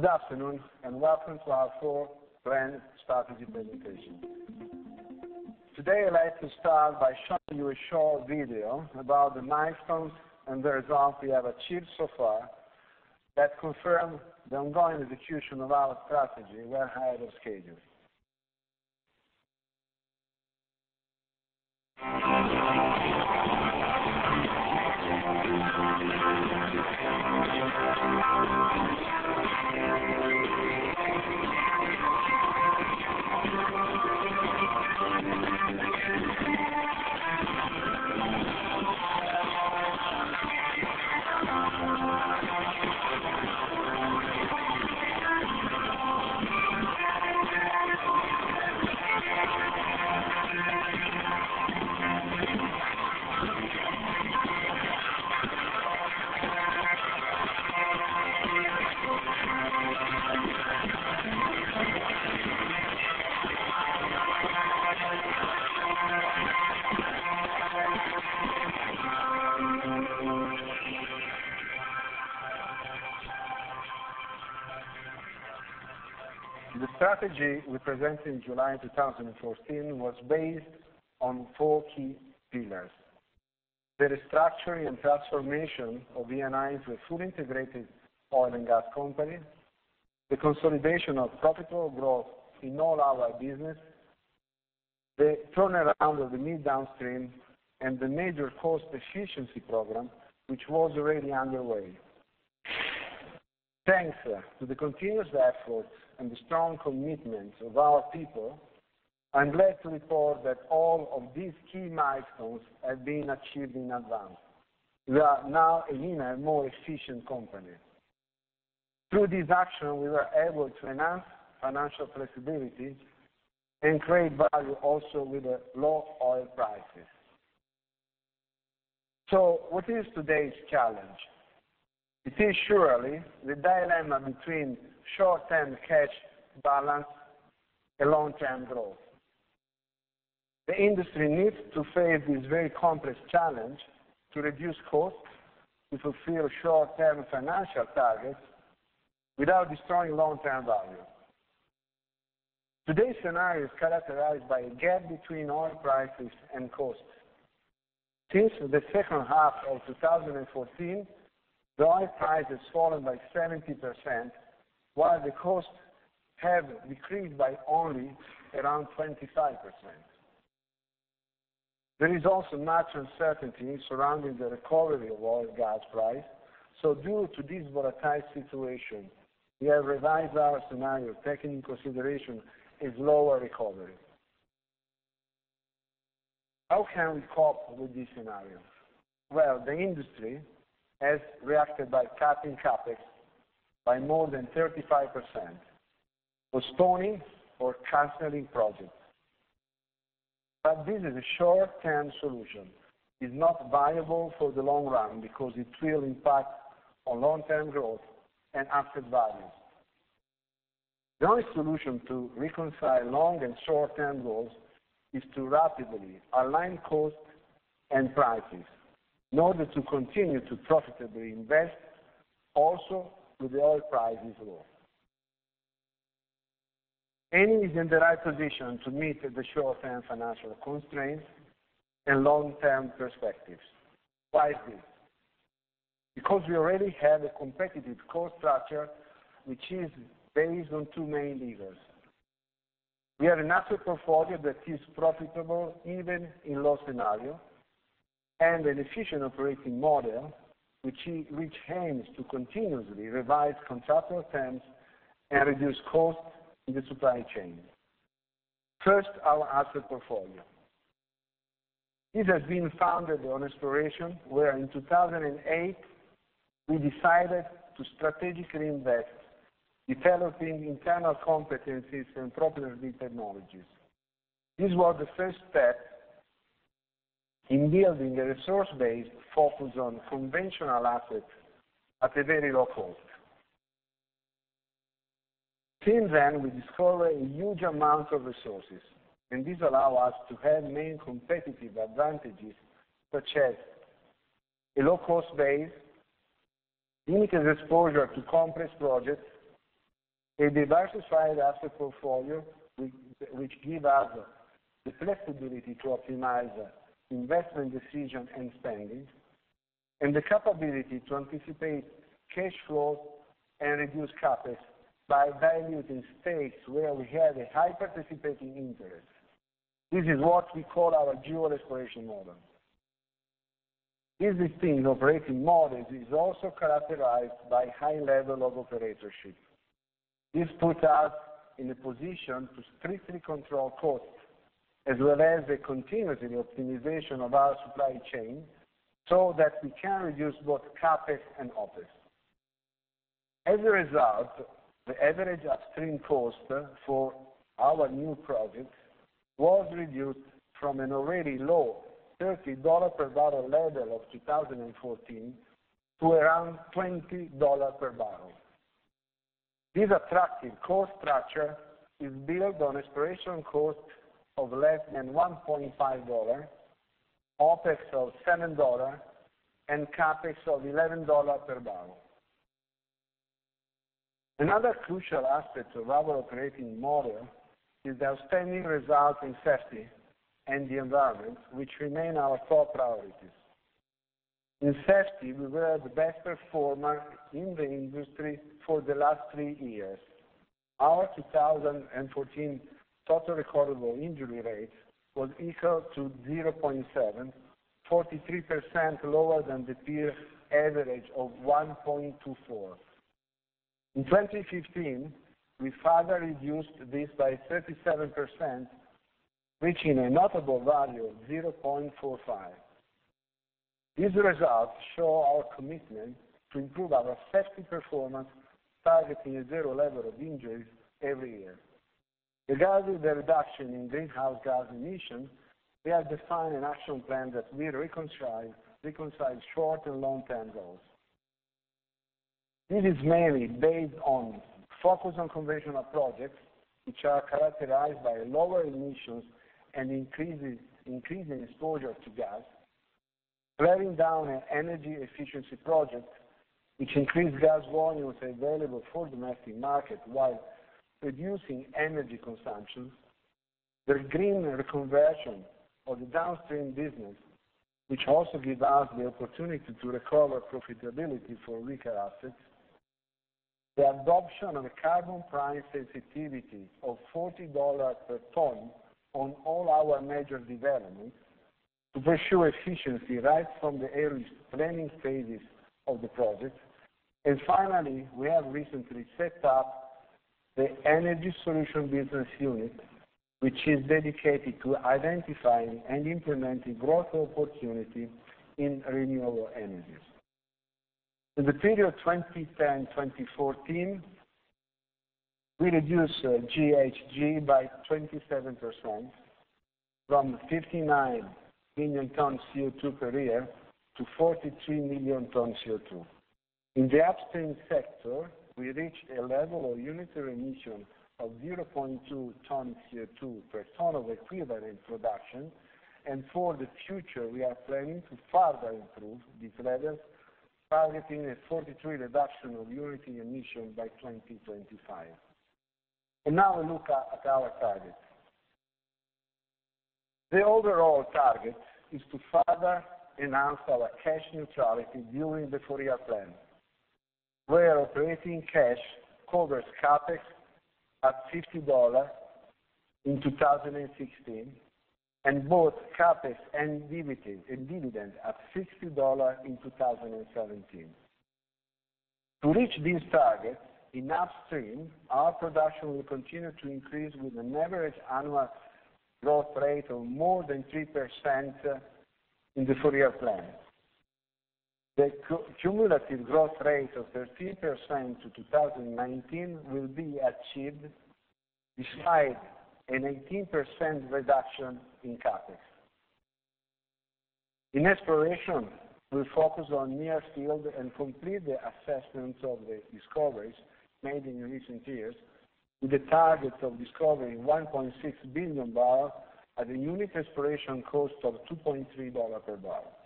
Good afternoon, welcome to our full brand strategy presentation. Today, I'd like to start by showing you a short video about the milestones and the results we have achieved so far that confirm the ongoing execution of our strategy well ahead of schedule. The strategy we presented in July 2014 was based on four key pillars. The restructuring and transformation of Eni into a fully integrated oil and gas company, the consolidation of profitable growth in all our business, the turnaround of the mid downstream, and the major cost efficiency program, which was already underway. Thanks to the continuous efforts and the strong commitment of our people, I'm glad to report that all of these key milestones have been achieved in advance. We are now a leaner, more efficient company. Through this action, we were able to enhance financial flexibility and create value also with the low oil prices. What is today's challenge? It is surely the dilemma between short-term cash balance and long-term growth. The industry needs to face this very complex challenge to reduce costs, to fulfill short-term financial targets without destroying long-term value. Today's scenario is characterized by a gap between oil prices and costs. Since the second half of 2014, the oil price has fallen by 70%, while the costs have decreased by only around 25%. There is also natural uncertainty surrounding the recovery of oil gas price. Due to this volatile situation, we have revised our scenario, taking into consideration a slower recovery. How can we cope with this scenario? The industry has reacted by cutting CapEx by more than 35%, postponing or canceling projects. This is a short-term solution. It's not viable for the long run because it will impact on long-term growth and asset value. The only solution to reconcile long and short-term goals is to rapidly align cost and prices in order to continue to profitably invest also with the oil prices low. Eni is in the right position to meet the short-term financial constraints and long-term perspectives. Why is this? Because we already have a competitive cost structure, which is based on two main levers. We have an asset portfolio that is profitable even in low scenario, an efficient operating model which aims to continuously revise contractual terms and reduce costs in the supply chain. First, our asset portfolio. This has been founded on exploration, where in 2008, we decided to strategically invest, developing internal competencies and proprietary technologies. This was the first step in building a resource base focused on conventional assets at a very low cost. Since then, we discovered a huge amount of resources, this allow us to have main competitive advantages, such as a low-cost base, limited exposure to complex projects, a diversified asset portfolio which give us the flexibility to optimize investment decision and spending, the capability to anticipate cash flow and reduce CapEx by valuing stakes where we have a high participating interest. This is what we call our dual exploration model. This distinct operating model is also characterized by high level of operatorship. This puts us in a position to strictly control costs as well as a continuous optimization of our supply chain so that we can reduce both CapEx and OpEx. As a result, the average upstream cost for our new projects was reduced from an already low $30 per barrel level of 2014 to around $20 per barrel. This attractive cost structure is built on exploration cost of less than $1.5, OpEx of $7, and CapEx of $11 per barrel. Another crucial aspect of our operating model is the outstanding result in safety and the environment, which remain our top priorities. In safety, we were the best performer in the industry for the last three years. Our 2014 total recordable injury rate was equal to 0.7, 43% lower than the peer average of 1.24. In 2015, we further reduced this by 37%, reaching a notable value of 0.45. These results show our commitment to improve our safety performance, targeting a zero level of injuries every year. Regarding the reduction in greenhouse gas emissions, we have defined an action plan that will reconcile short and long-term goals. This is mainly based on focus on conventional projects, which are characterized by lower emissions and increasing exposure to gas; driving down energy efficiency projects, which increase gas volumes available for the domestic market while reducing energy consumption; the greening and conversion of the downstream business, which also gives us the opportunity to recover profitability for weaker assets; the adoption of a carbon price sensitivity of $40 per ton on all our major developments to pursue efficiency right from the early planning stages of the project; and finally, we have recently set up the Energy Solutions business unit, which is dedicated to identifying and implementing growth opportunities in renewable energies. In the period 2010-2014, we reduced GHG by 27%, from 59 million tons CO2 per year to 43 million tons CO2. In the Upstream sector, we reached a level of unitary emission of 0.2 tons CO2 per ton of equivalent production, and for the future, we are planning to further improve these levels, targeting a 43% reduction of unitary emissions by 2025. Now a look at our targets. The overall target is to further enhance our cash neutrality during the four-year plan, where operating cash covers CapEx at $50 in 2016, and both CapEx and dividend at $60 in 2017. To reach these targets, in Upstream, our production will continue to increase with an average annual growth rate of more than 3% in the four-year plan. The cumulative growth rate of 13% to 2019 will be achieved despite an 18% reduction in CapEx. In Exploration, we'll focus on near field and complete the assessments of the discoveries made in recent years with the target of discovering 1.6 billion barrels at a unit exploration cost of $2.30 per barrel.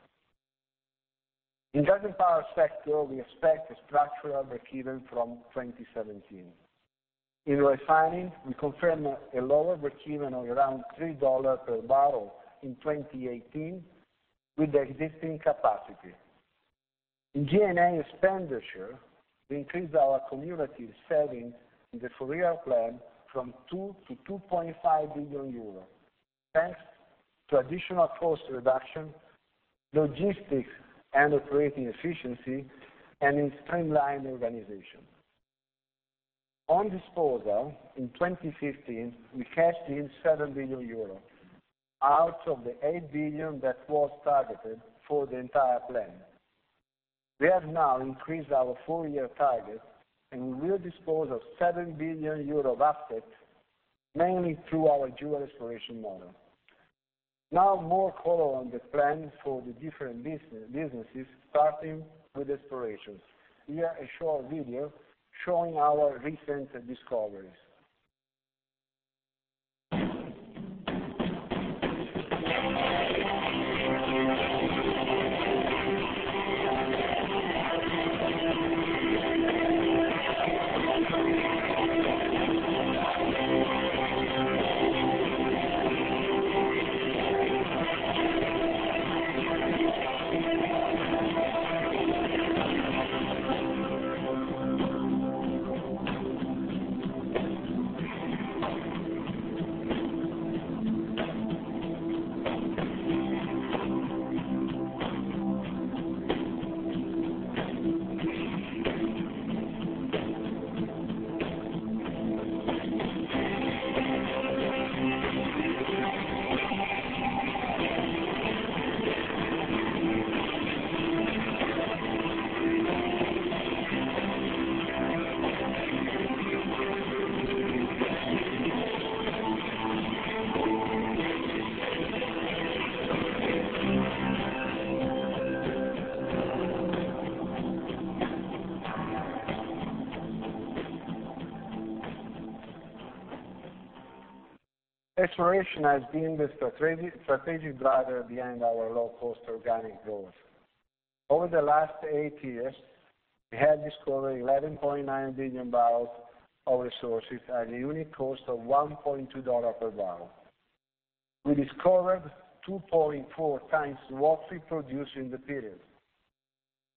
In Gas & Power sector, we expect a structural breakeven from 2017. In Refining, we confirm a lower breakeven of around $3 per barrel in 2018 with the existing capacity. In G&A expenditure, we increase our cumulative saving in the four-year plan from 2 billion to 2.5 billion euros, thanks to additional cost reduction, logistics and operating efficiency, and in streamlining organization. On disposal, in 2015, we cashed in 7 billion euros, out of the 8 billion that was targeted for the entire plan. We have now increased our four-year target, and we will dispose of 7 billion euro of assets, mainly through our dual exploration model. More color on the plan for the different businesses, starting with Explorations. Here, a short video showing our recent discoveries. Exploration has been the strategic driver behind our low-cost organic growth. Over the last eight years, we have discovered 11.9 billion barrels of resources at a unit cost of $1.20 per barrel. We discovered 2.4 times the raw material produced in the period,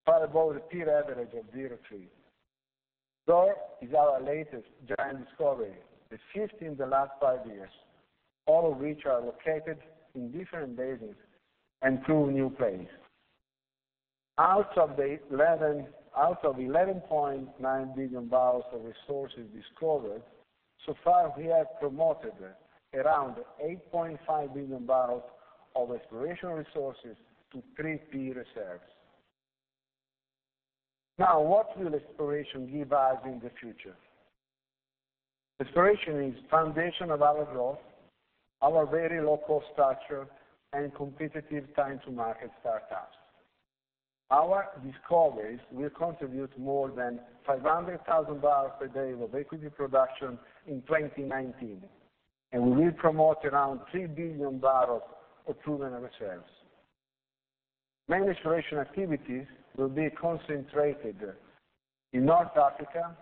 far above the peer average of 3. Zohr is our latest supergiant discovery, the fifth in the last five years, all of which are located in different basins and two new plays. Out of 11.9 billion barrels of resources discovered so far, we have promoted around 8.5 billion barrels of exploration resources to 3P reserves. What will exploration give us in the future? Exploration is the foundation of our growth, our very low-cost structure, and competitive time-to-market startups. Our discoveries will contribute more than 500,000 barrels per day of equity production in 2019. We will promote around 3 billion barrels of proven reserves. Many exploration activities will be concentrated in North Africa,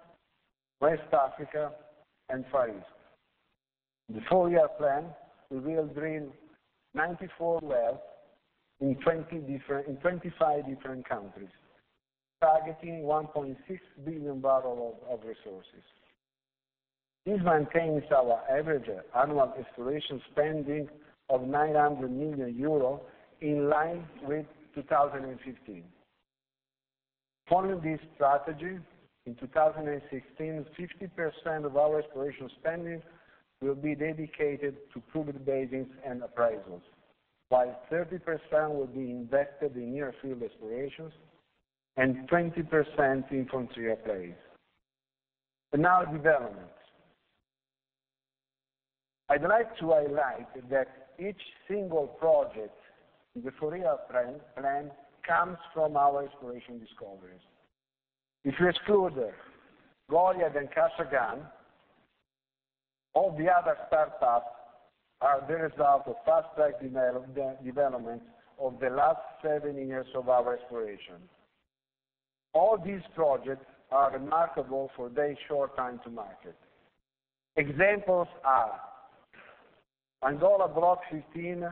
West Africa, and Far East. In the four-year plan, we will drill 94 wells in 25 different countries, targeting 1.6 billion barrels of resources. This maintains our average annual exploration spending of 900 million euro, in line with 2015. Following this strategy, in 2016, 50% of our exploration spending will be dedicated to proven basins and appraisals, while 30% will be invested in near-field explorations, and 20% in frontier plays. Development. I'd like to highlight that each single project in the four-year plan comes from our exploration discoveries. If you exclude Goliat and Kashagan, all the other startups are the result of fast-track development of the last seven years of our exploration. All these projects are remarkable for their short time to market. Examples are Angola Block 15,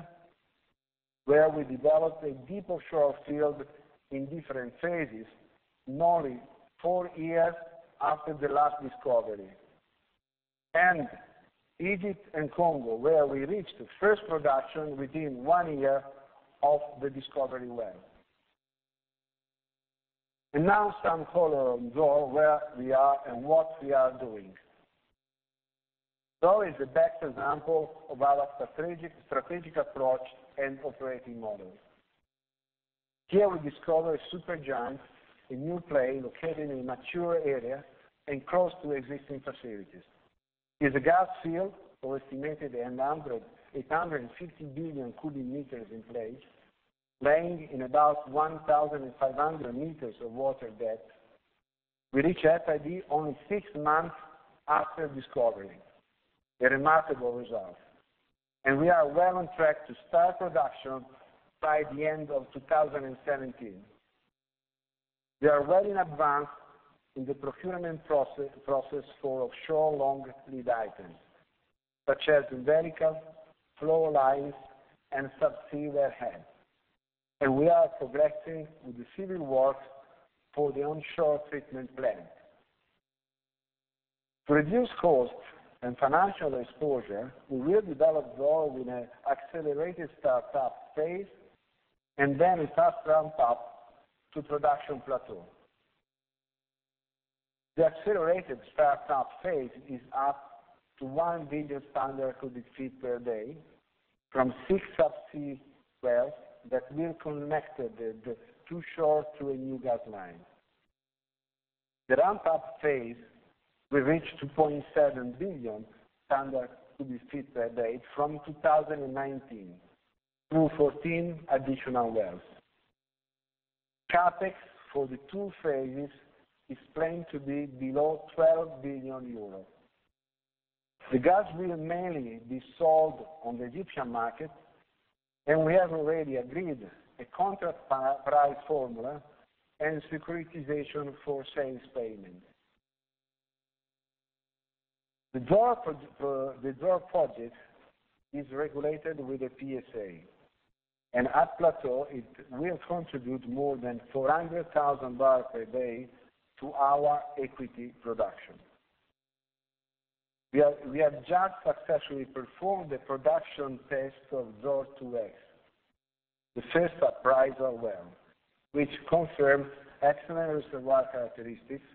where we developed a deep offshore field in different phases, only four years after the last discovery. Egypt and Congo, where we reached first production within one year of the discovery well. Now some color on Zohr, where we are and what we are doing. Zohr is the best example of our strategic approach and operating model. Here we discover a supergiant, a new play located in a mature area and close to existing facilities. It is a gas field of estimated 850 billion cubic meters in place, lying in about 1,500 meters of water depth. We reach FID only six months after discovery, a remarkable result. We are well on track to start production by the end of 2017. We are well in advance in the procurement process for offshore long-lead items, such as vertical flow lines and subsea wellhead. We are progressing with the civil works for the onshore treatment plant. To reduce cost and financial exposure, we will develop Zohr in an accelerated startup phase, then a fast ramp-up to production plateau. The accelerated startup phase is up to 1 billion standard cubic feet per day from six subsea wells that will be connected to shore through a new gas line. The ramp-up phase will reach 2.7 billion standard cubic feet per day from 2019 through 14 additional wells. CapEx for the two phases is planned to be below 12 billion euros. The gas will mainly be sold on the Egyptian market. We have already agreed a contract price formula and securitization for sales payment. The Zohr project is regulated with a PSA, and at plateau, it will contribute more than 400,000 barrels per day to our equity production. We have just successfully performed the production test of Zohr-2S, the first appraisal well, which confirms excellent reservoir characteristics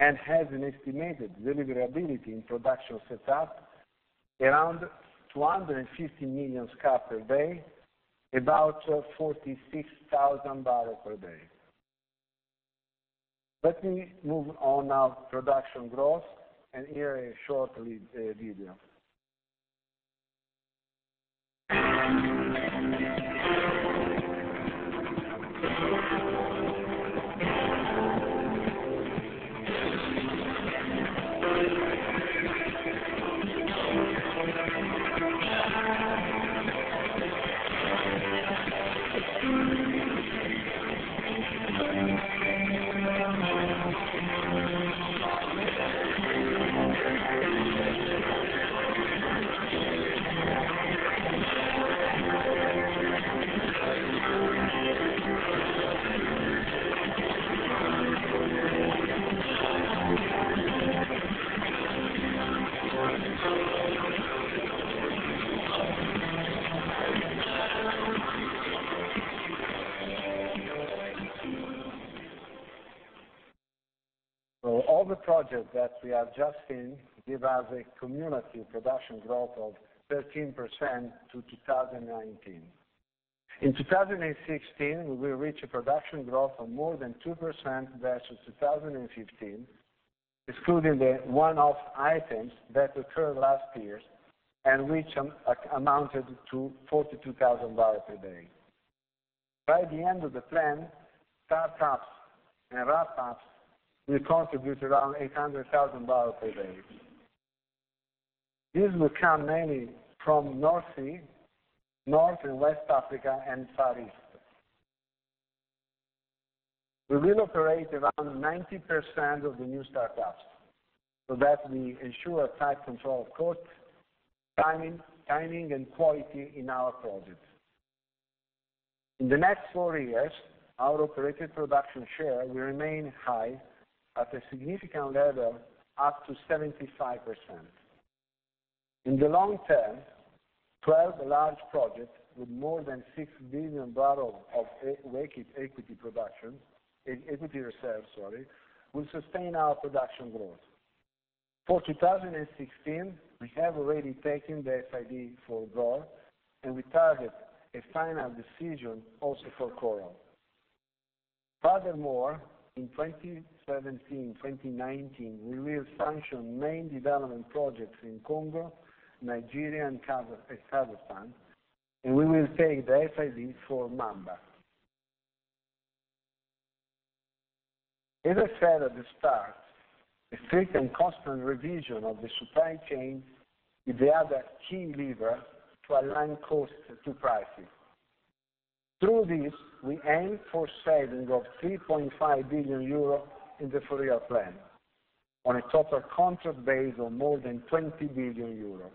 and has an estimated deliverability in production setup around 250 million SCF per day, about 46,000 barrels per day. Let me move on now to production growth and here is a short video. All the projects that we have just seen give us a cumulative production growth of 13% to 2019. In 2016, we will reach a production growth of more than 2% versus 2015, excluding the one-off items that occurred last year and which amounted to 42,000 barrels per day. By the end of the plan, start-ups and wrap-ups will contribute around 800,000 barrels per day. These will come mainly from North Sea, North and West Africa, and Far East. We will operate around 90% of the new start-ups so that we ensure tight control of cost, timing, and quality in our projects. In the next four years, our operated production share will remain high at a significant level up to 75%. In the long term, 12 large projects with more than 6 billion barrels of equity reserves will sustain our production growth. For 2016, we have already taken the FID for Zohr, and we target a final decision also for Coral. Furthermore, in 2017-2019, we will sanction main development projects in Congo, Nigeria, and Kazakhstan, and we will take the FID for Mamba. As I said at the start, a strict and constant revision of the supply chain is the other key lever to align costs to prices. Through this, we aim for a saving of 3.5 billion euro in the four-year plan on a total contract base of more than 20 billion euro.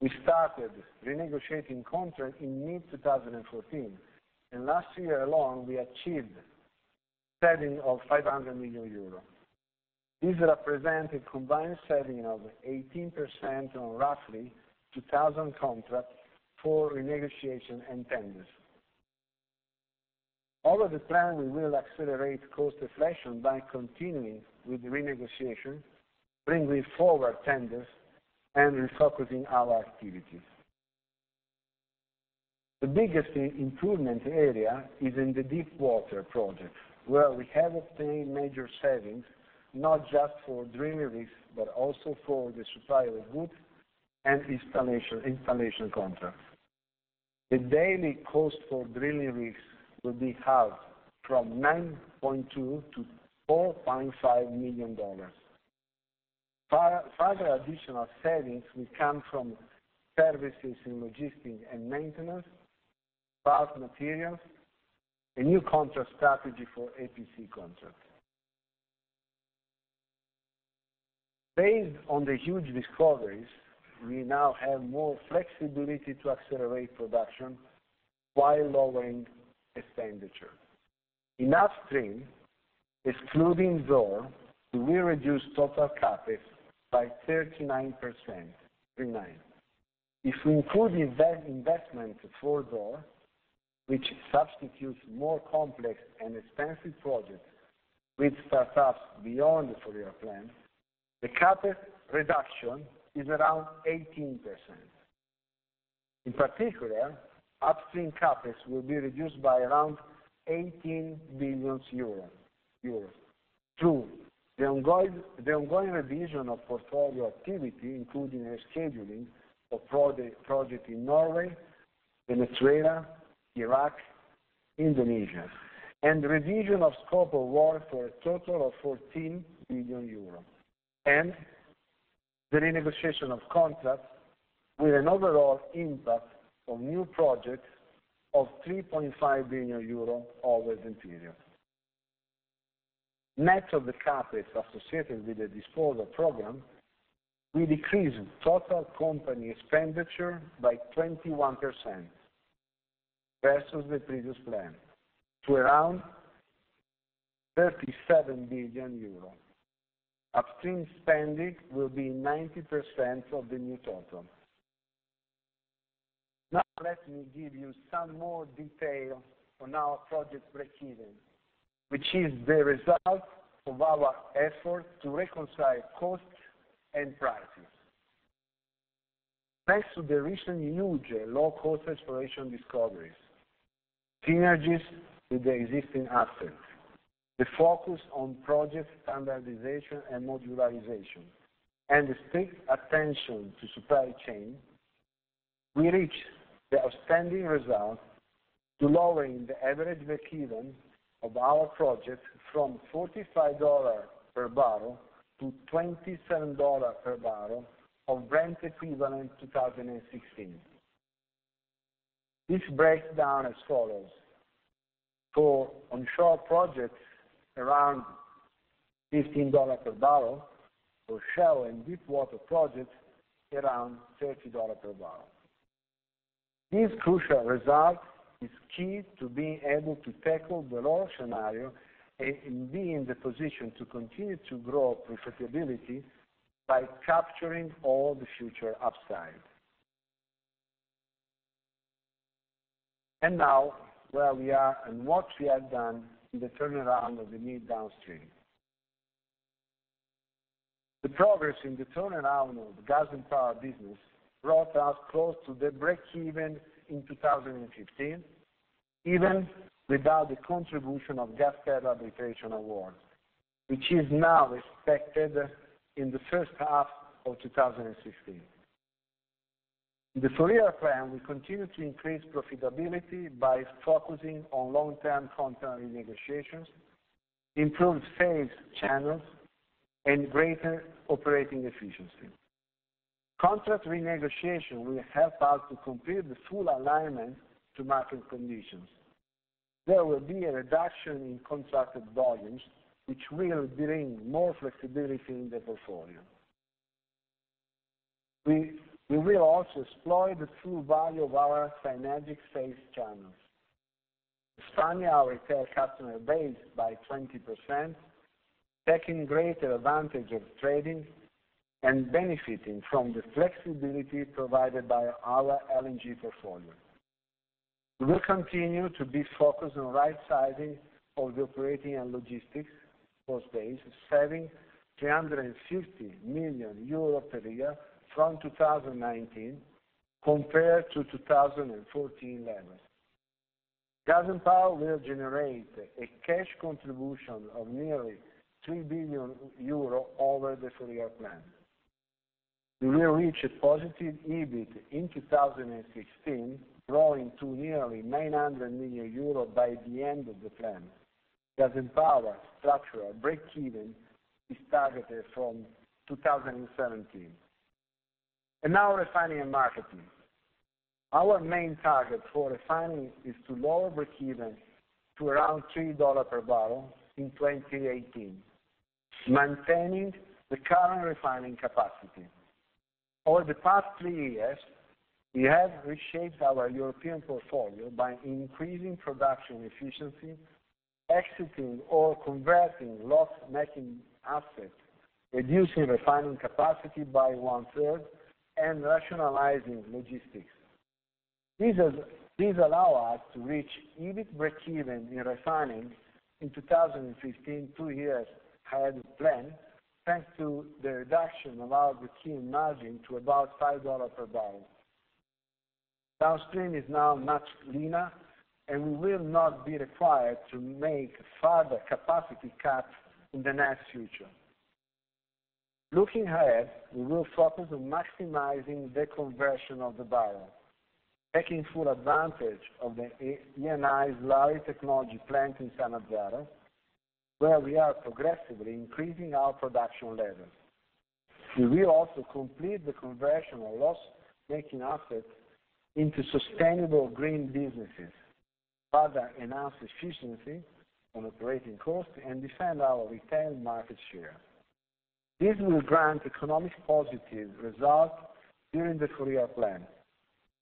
We started renegotiating contracts in mid-2014, and last year alone, we achieved a saving of 500 million euros. These represent a combined saving of 18% on roughly 2,000 contracts for renegotiation and tenders. All of the plan, we will accelerate cost deflation by continuing with the renegotiation, bringing forward tenders, and refocusing our activities. The biggest improvement area is in the deepwater projects, where we have obtained major savings, not just for drilling rigs, but also for the supply of goods and installation contracts. The daily cost for drilling rigs will be halved from $9.2 million-$4.5 million. Further additional savings will come from services in logistics and maintenance, bought materials, a new contract strategy for EPC contracts. Based on the huge discoveries, we now have more flexibility to accelerate production while lowering expenditure. In upstream, excluding Zohr, we will reduce total CapEx by 39%. If we include the investments for Zohr, which substitutes more complex and expensive projects with start-ups beyond the four-year plan, the CapEx reduction is around 18%. In particular, upstream CapEx will be reduced by around 18 billion euros through the ongoing revision of portfolio activity, including rescheduling of projects in Norway, Venezuela, Iraq, Indonesia, and revision of scope of work for a total of 14 billion euros, and the renegotiation of contracts with an overall impact on new projects of 3.5 billion euro over the period. Net of the CapEx associated with the disposal program, we decrease total company expenditure by 21% versus the previous plan to around 37 billion euros. Upstream spending will be 90% of the new total. Now let me give you some more detail on our project breakeven, which is the result of our effort to reconcile costs and prices. Thanks to the recent huge low-cost exploration discoveries, synergies with the existing assets, the focus on project standardization and modularization, and the strict attention to supply chain, we reached the outstanding result to lowering the average breakeven of our project from $45 per barrel to $27 per barrel of Brent equivalent 2016. This breaks down as follows. For onshore projects, around $15 per barrel. For shallow and deep water projects, around $30 per barrel. This crucial result is key to being able to tackle the low scenario and be in the position to continue to grow profitability by capturing all the future upside. Now, where we are and what we have done in the turnaround of the midstream. The progress in the turnaround of the Gas & Power business brought us close to the breakeven in 2015, even without the contribution of GasTerra arbitration award, which is now expected in the first half of 2016. In the four-year plan, we continue to increase profitability by focusing on long-term contract renegotiations, improved sales channels, and greater operating efficiency. Contract renegotiation will help us to complete the full alignment to market conditions. There will be a reduction in contracted volumes, which will bring more flexibility in the portfolio. We will also explore the true value of our synergic sales channels, expanding our retail customer base by 20%, taking greater advantage of trading, and benefiting from the flexibility provided by our LNG portfolio. We will continue to be focused on right-sizing of the operating and logistics cost base, saving 350 million euro per year from 2019 compared to 2014 levels. Gas & Power will generate a cash contribution of nearly 3 billion euro over the four-year plan. We will reach a positive EBIT in 2016, growing to nearly 900 million euros by the end of the plan. Gas & Power structural breakeven is targeted from 2017. Now Refining & Marketing. Our main target for refining is to lower breakeven to around $3 per barrel in 2018, maintaining the current refining capacity. Over the past three years, we have reshaped our European portfolio by increasing production efficiency, exiting or converting loss-making assets, reducing refining capacity by one-third, and rationalizing logistics. This allow us to reach EBIT breakeven in refining in 2015, two years ahead of plan, thanks to the reduction of our breakeven margin to about $5 per barrel. Downstream is now much leaner, and will not be required to make further capacity cuts in the near future. Looking ahead, we will focus on maximizing the conversion of the barrel, taking full advantage of Eni's Slurry Technology plant in Sannazzaro, where we are progressively increasing our production levels. We will also complete the conversion of loss-making assets into sustainable green businesses, further enhance efficiency on operating costs, and defend our retail market share. This will grant economic positive results during the Three-Year Plan,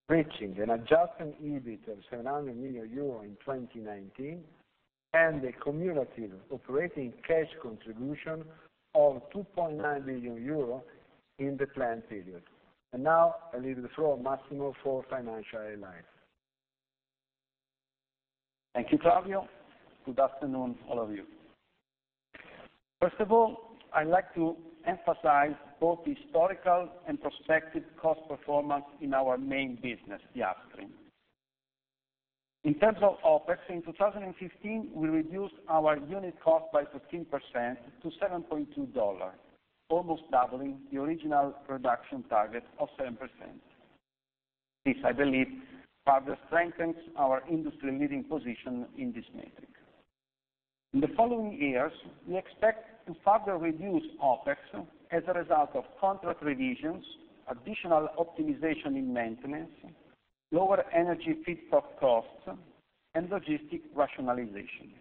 reaching an adjusted EBIT of 700 million euro in 2019 and a cumulative operating cash contribution of 2.9 billion euro in the plan period. Now, I leave the floor to Massimo for financial highlights. Thank you, Claudio. Good afternoon, all of you. First of all, I'd like to emphasize both the historical and prospective cost performance in our main business, the upstream. In terms of OpEx, in 2015, we reduced our unit cost by 15% to $7.2, almost doubling the original reduction target of 7%. This, I believe, further strengthens our industry-leading position in this metric. In the following years, we expect to further reduce OpEx as a result of contract revisions, additional optimization in maintenance, lower energy feedstock costs, and logistic rationalization.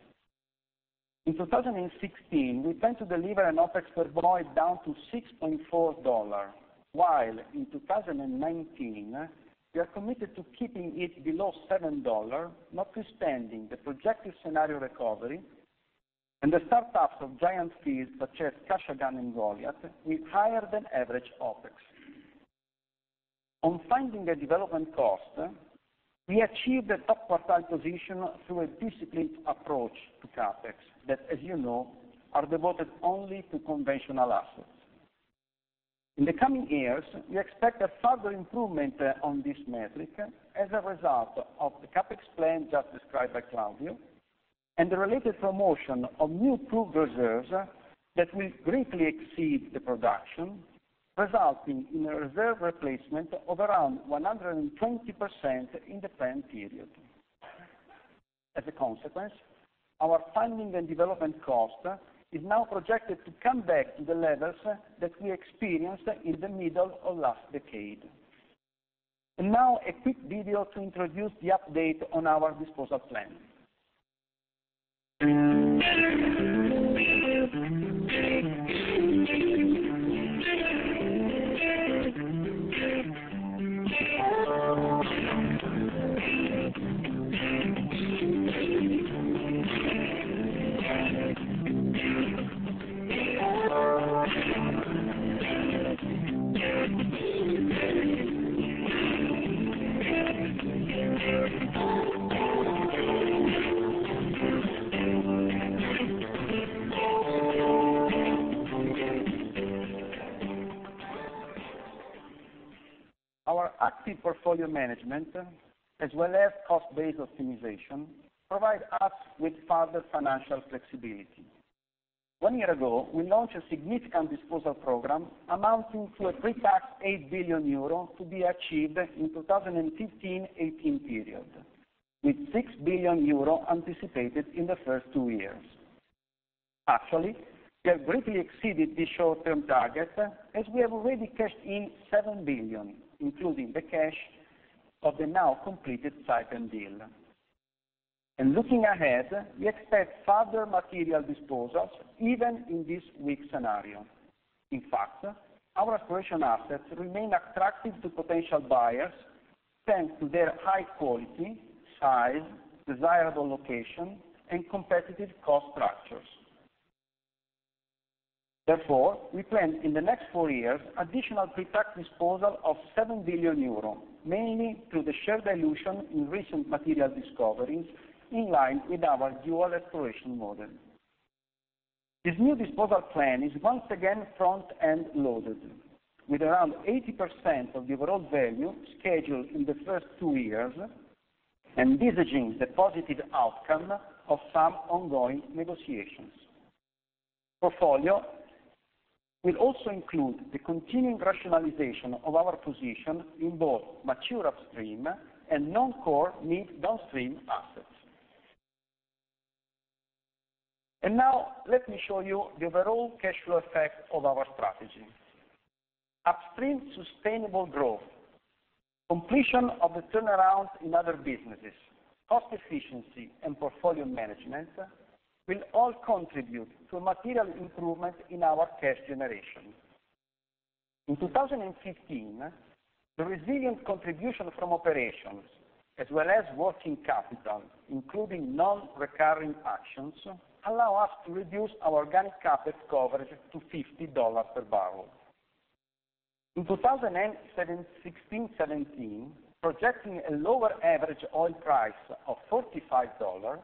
In 2016, we plan to deliver an OpEx per barrel down to $6.4, while in 2019, we are committed to keeping it below $7, notwithstanding the projected scenario recovery and the startups of giant fields such as Kashagan and Goliat, with higher than average OpEx. On finding and development cost, we achieved a top quartile position through a disciplined approach to CapEx that, as you know, are devoted only to conventional assets. In the coming years, we expect a further improvement on this metric as a result of the CapEx plan just described by Claudio. The related promotion of new proved reserves that will greatly exceed the production, resulting in a reserve replacement of around 120% in the plan period. As a consequence, our funding and development cost is now projected to come back to the levels that we experienced in the middle of last decade. Now a quick video to introduce the update on our disposal plan. Our active portfolio management, as well as cost-based optimization, provide us with further financial flexibility. One year ago, we launched a significant disposal program amounting to a pre-tax 8 billion euro to be achieved in 2015-2018 period, with 6 billion euro anticipated in the first two years. Actually, we have greatly exceeded this short-term target as we have already cashed in 7 billion, including the cash of the now completed Saipem deal. Looking ahead, we expect further material disposals even in this weak scenario. In fact, our exploration assets remain attractive to potential buyers thanks to their high quality, size, desirable location, and competitive cost structures. Therefore, we plan in the next four years additional pre-tax disposal of 7 billion euros, mainly through the share dilution in recent material discoveries, in line with our dual exploration model. This new disposal plan is once again front-end loaded, with around 80% of the overall value scheduled in the first two years, envisaging the positive outcome of some ongoing negotiations. Portfolio will also include the continuing rationalization of our position in both mature upstream and non-core mid downstream assets. Now let me show you the overall cash flow effect of our strategy. Upstream sustainable growth, completion of the turnaround in other businesses, cost efficiency, and portfolio management will all contribute to a material improvement in our cash generation. In 2015, the resilient contribution from operations as well as working capital, including non-recurring actions, allow us to reduce our organic CapEx coverage to $50 per barrel. In 2016, 2017, projecting a lower average oil price of 45 dollars,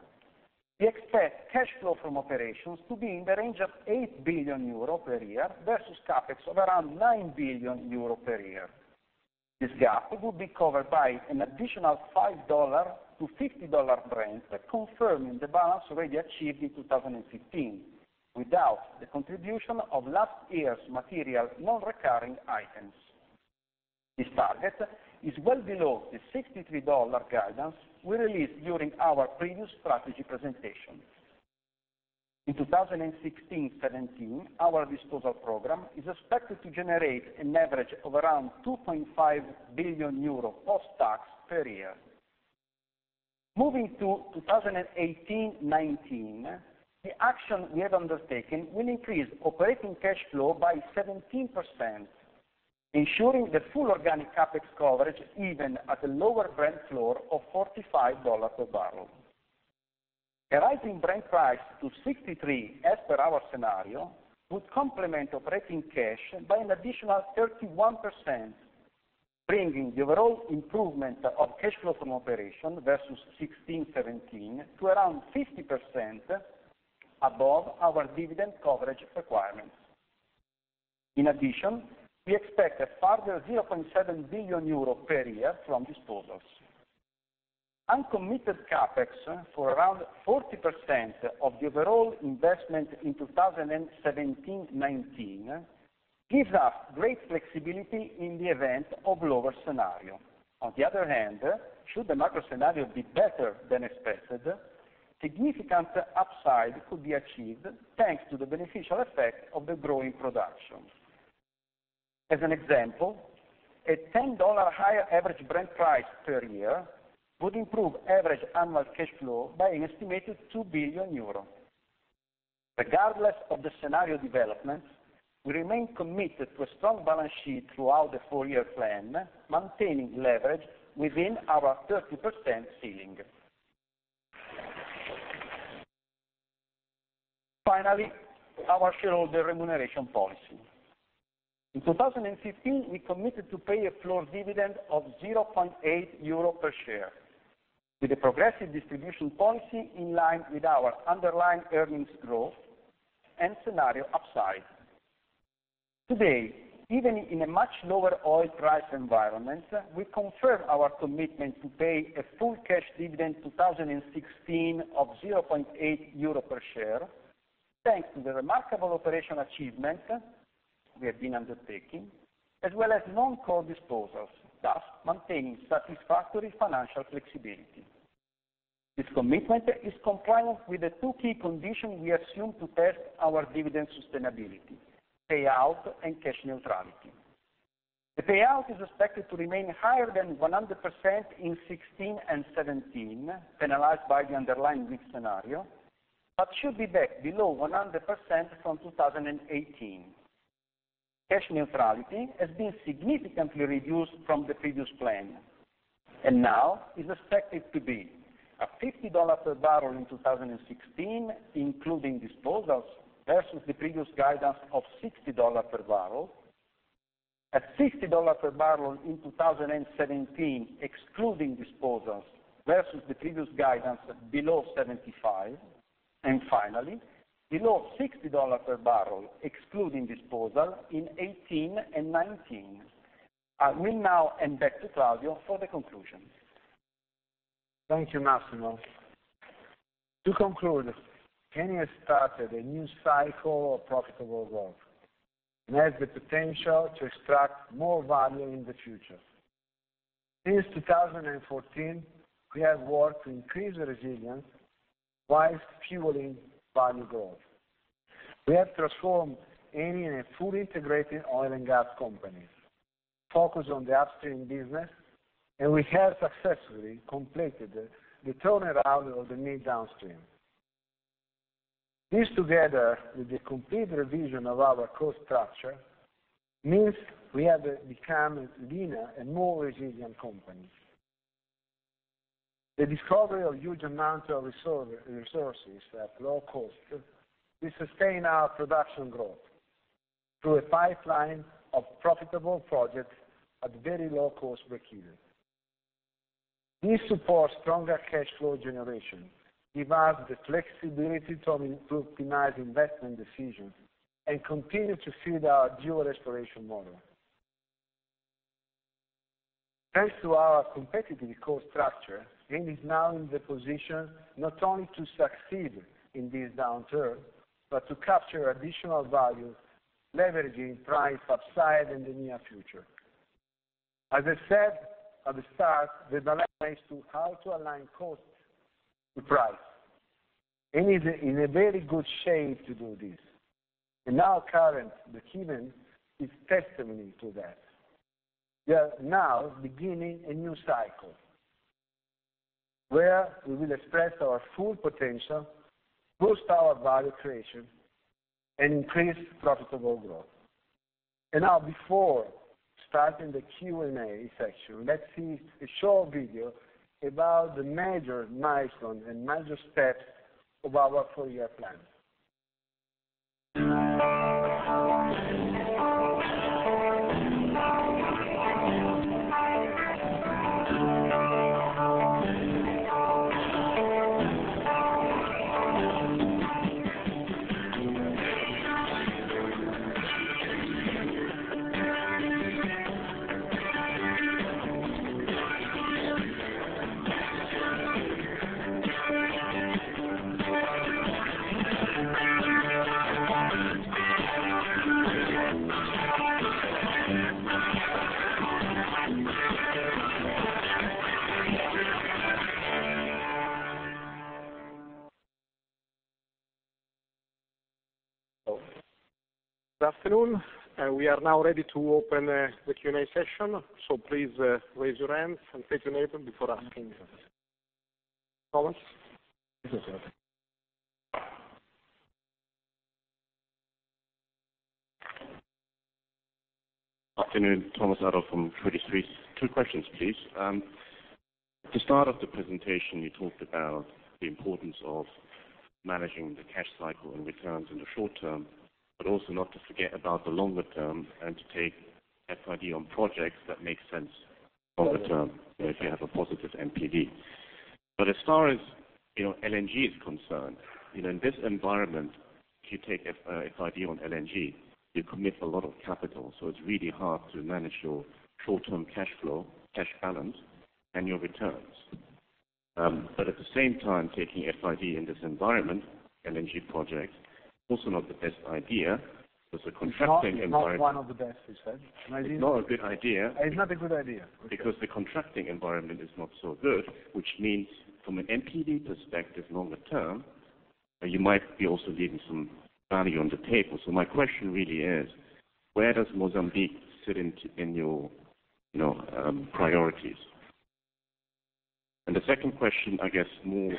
we expect cash flow from operations to be in the range of 8 billion euro per year versus CapEx of around 9 billion euro per year. This gap will be covered by an additional 5 dollar to 50 dollar Brent, confirming the balance already achieved in 2015 without the contribution of last year's material non-recurring items. This target is well below the 63 dollar guidance we released during our previous strategy presentation. In 2016, 2017, our disposal program is expected to generate an average of around 2.5 billion euro post-tax per year. Moving to 2018, 2019, the action we have undertaken will increase operating cash flow by 17%, ensuring the full organic CapEx coverage even at the lower Brent floor of 45 dollars per barrel. A rising Brent price to 63 as per our scenario, would complement operating cash by an additional 31%, bringing the overall improvement of cash flow from operation versus 2016, 2017 to around 50% above our dividend coverage requirements. In addition, we expect a further 0.7 billion euro per year from disposals. Uncommitted CapEx for around 40% of the overall investment in 2017, 2019, gives us great flexibility in the event of lower scenario. On the other hand, should the macro scenario be better than expected, significant upside could be achieved thanks to the beneficial effect of the growing production. As an example, a 10 dollar higher average Brent price per year would improve average annual cash flow by an estimated 2 billion euros. Regardless of the scenario developments, we remain committed to a strong balance sheet throughout the four-year plan, maintaining leverage within our 30% ceiling. Finally, our shareholder remuneration policy. In 2015, we committed to pay a floor dividend of 0.8 euro per share, with a progressive distribution policy in line with our underlying earnings growth and scenario upside. Today, even in a much lower oil price environment, we confirm our commitment to pay a full cash dividend 2016 of 0.8 euro per share, thanks to the remarkable operational achievement we have been undertaking, as well as non-core disposals, thus maintaining satisfactory financial flexibility. This commitment is compliant with the two key conditions we assume to test our dividend sustainability: payout and cash neutrality. The payout is expected to remain higher than 100% in 2016 and 2017, penalized by the underlying mix scenario, but should be back below 100% from 2018. Cash neutrality has been significantly reduced from the previous plan. Now is expected to be at 50 dollar per barrel in 2016, including disposals, versus the previous guidance of 60 dollar per barrel. At 60 dollar per barrel in 2017, excluding disposals versus the previous guidance below 75, and finally below 60 dollars per barrel, excluding disposal in 2018 and 2019. I will now hand back to Claudio for the conclusion. Thank you, Massimo. To conclude, Eni has started a new cycle of profitable growth and has the potential to extract more value in the future. Since 2014, we have worked to increase the resilience while fueling value growth. We have transformed Eni in a fully integrated oil and gas company, focused on the upstream business, and we have successfully completed the turnaround of the mid downstream. This, together with the complete revision of our cost structure, means we have become a leaner and more resilient company. The discovery of huge amounts of resources at low cost will sustain our production growth through a pipeline of profitable projects at very low cost break even. This supports stronger cash flow generation, gives us the flexibility to optimize investment decisions, and continue to feed our dual exploration model. Thanks to our competitive cost structure, Eni is now in the position not only to succeed in this downturn, but to capture additional value leveraging price upside in the near future. As I said at the start, the balance is to how to align cost to price. Eni is in a very good shape to do this, and our current achievement is testimony to that. We are now beginning a new cycle where we will express our full potential, boost our value creation, and increase profitable growth. Now, before starting the Q&A section, let's see a short video about the major milestones and major steps of our four-year plan. Good afternoon. We are now ready to open the Q&A session, so please raise your hand and state your name before asking. Thomas? Good afternoon. Thomas Adolff from Credit Suisse. Two questions, please. At the start of the presentation, you talked about the importance of managing the cash cycle and returns in the short term, also not to forget about the longer term and to take FID on projects that make sense longer term if you have a positive NPV. As far as LNG is concerned, in this environment, if you take FID on LNG, you commit a lot of capital, so it's really hard to manage your short-term cash flow, cash balance, and your returns. At the same time, taking FID in this environment, LNG projects, also not the best idea because the contracting environment- It's not one of the best, you said? It's not a good idea. It's not a good idea. Okay. The contracting environment is not so good, which means from an NPD perspective, longer term, you might be also leaving some value on the table. My question really is, where does Mozambique sit in your priorities? The second question, I guess more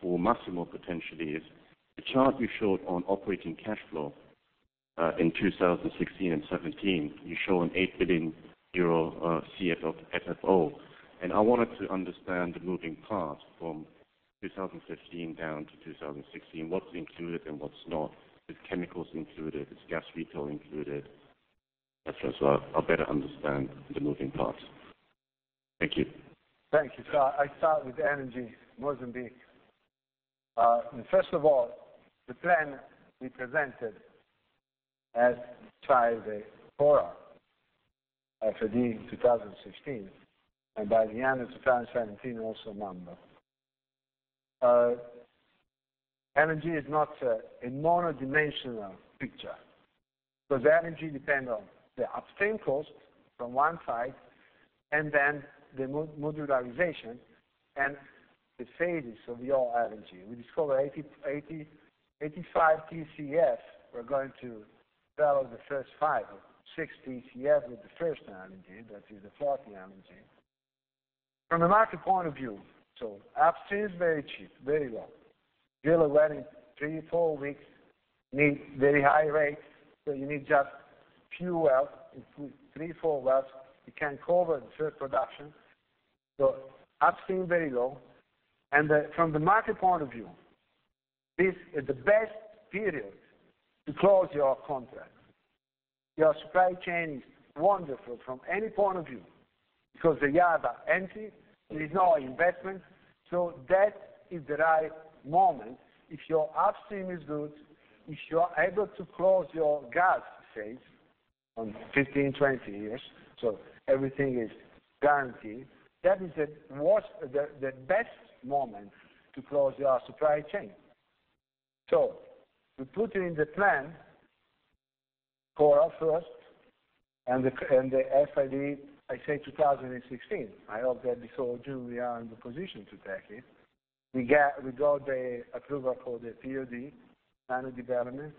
for Massimo potentially, is the chart you showed on operating cash flow. In 2016 and 2017, you show an 8 billion euro FFO. I wanted to understand the moving parts from 2015 down to 2016, what's included and what's not. Is chemicals included? Is gas retail included? Et cetera. I better understand the moving parts. Thank you. Thank you. So I start with LNG Mozambique. First of all, the plan we presented as [FLNG Coral], FID 2016, and by the end of 2017, also Mamba. Energy is not a mono-dimensional picture, because energy depends on the upstream cost from one side, and then the modularization and the phases of the whole energy. We discover 85 TCF. We are going to develop the first five or six TCF with the first LNG, that is the Floating LNG. From a market point of view, upstream is very cheap, very low. Drill a well in three, four weeks, need very high rates. You need just a few wells, three, four wells. You can cover the first production. Upstream, very low. From the market point of view, this is the best period to close your contract. Your supply chain is wonderful from any point of view, because the yards are empty, there is no investment. That is the right moment. If your upstream is good, if you are able to close your gas phase on 15, 20 years, so everything is guaranteed, that is the best moment to close your supply chain. We put it in the plan for us first and the FID, I say 2016. I hope that before June, we are in the position to take it. We got the approval for the POD, plan of development.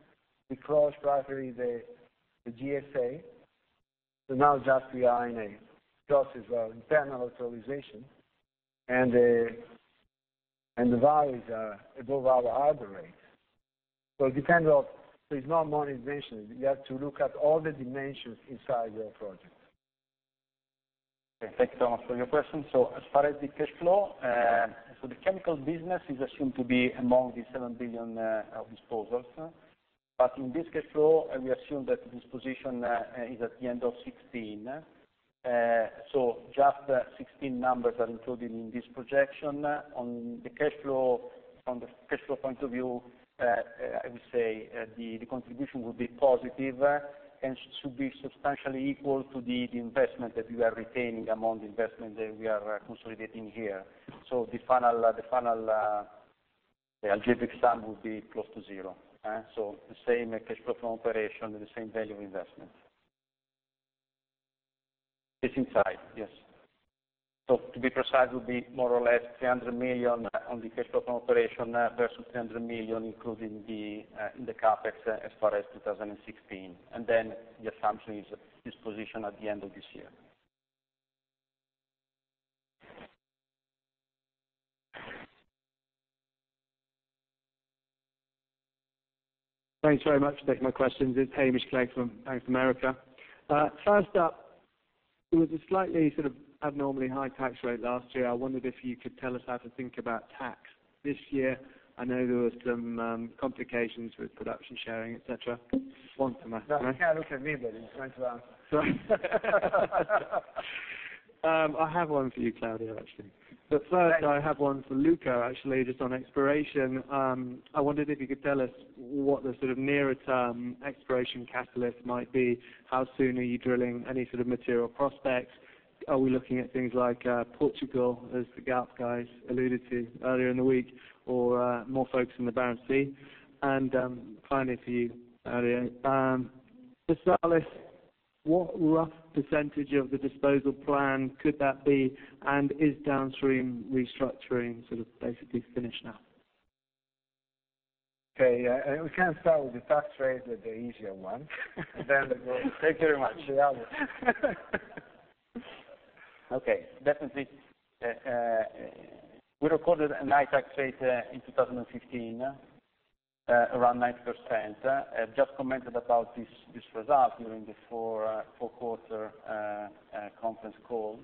We closed partly the GSA. Now just we are in a process of internal authorization, and the values are above our hurdle rate. It depends on, there is no monetization. You have to look at all the dimensions inside your project. Okay, thank you, Thomas, for your question. As far as the cash flow, so the chemicals business is assumed to be among the 7 billion disposals. In this cash flow, we assume that disposition is at the end of 2016. Just 2016 numbers are included in this projection. On the cash flow point of view, I would say, the contribution will be positive and should be substantially equal to the investment that we are retaining among the investment that we are consolidating here. The final algebraic sum will be close to zero. The same cash flow operation and the same value investment. It's inside, yes. To be precise, it would be more or less 300 million on the cash flow operation versus 300 million, including the CapEx as far as 2016. The assumption is disposition at the end of this year. Thanks very much. Thanks for my questions. It's Hamish Clegg from Bank of America. First up, it was a slightly sort of abnormally high tax rate last year. I wondered if you could tell us how to think about tax this year. I know there was some complications with production sharing, et cetera. One for Matt, right? You can't look at me, buddy. You're trying to ask. Sorry. I have one for you, Claudio, actually. Thanks. First I have one for Luca, actually, just on exploration. I wondered if you could tell us what the sort of nearer term exploration catalyst might be. How soon are you drilling any sort of material prospects? Are we looking at things like Portugal, as the Gulf guys alluded to earlier in the week, or more folks in the Barents Sea? Finally, for you, Claudio, for Versalis, what rough percentage of the disposal plan could that be? Is downstream restructuring sort of basically finished now? Okay. We can start with the tax rate, the easier one. Thank you very much. Definitely, we recorded a high tax rate in 2015, around 90%. Ed just commented about this result during the fourth quarter conference call.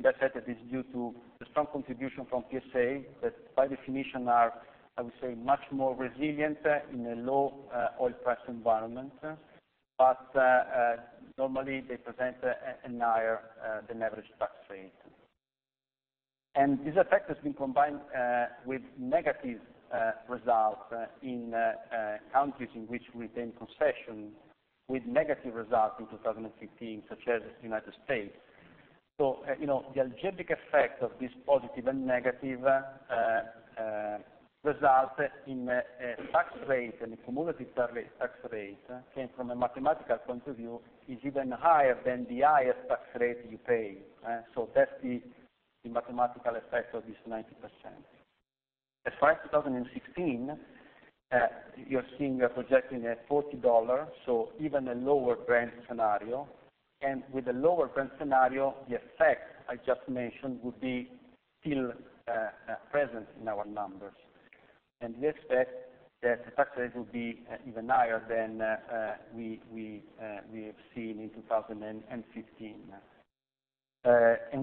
I said that it's due to the strong contribution from PSA, that by definition are, I would say, much more resilient in a low oil price environment. Normally they present a higher than average tax rate. This effect has been combined with negative results in countries in which we retain concession with negative results in 2015, such as U.S. The algebraic effect of this positive and negative result in tax rate and cumulative tax rate came from a mathematical point of view, is even higher than the highest tax rate you pay. That's the mathematical effect of this 90%. As far as 2016, you're seeing we are projecting a $40, so even a lower Brent scenario. With a lower Brent scenario, the effect I just mentioned would be still present in our numbers. We expect that the tax rate will be even higher than we have seen in 2015.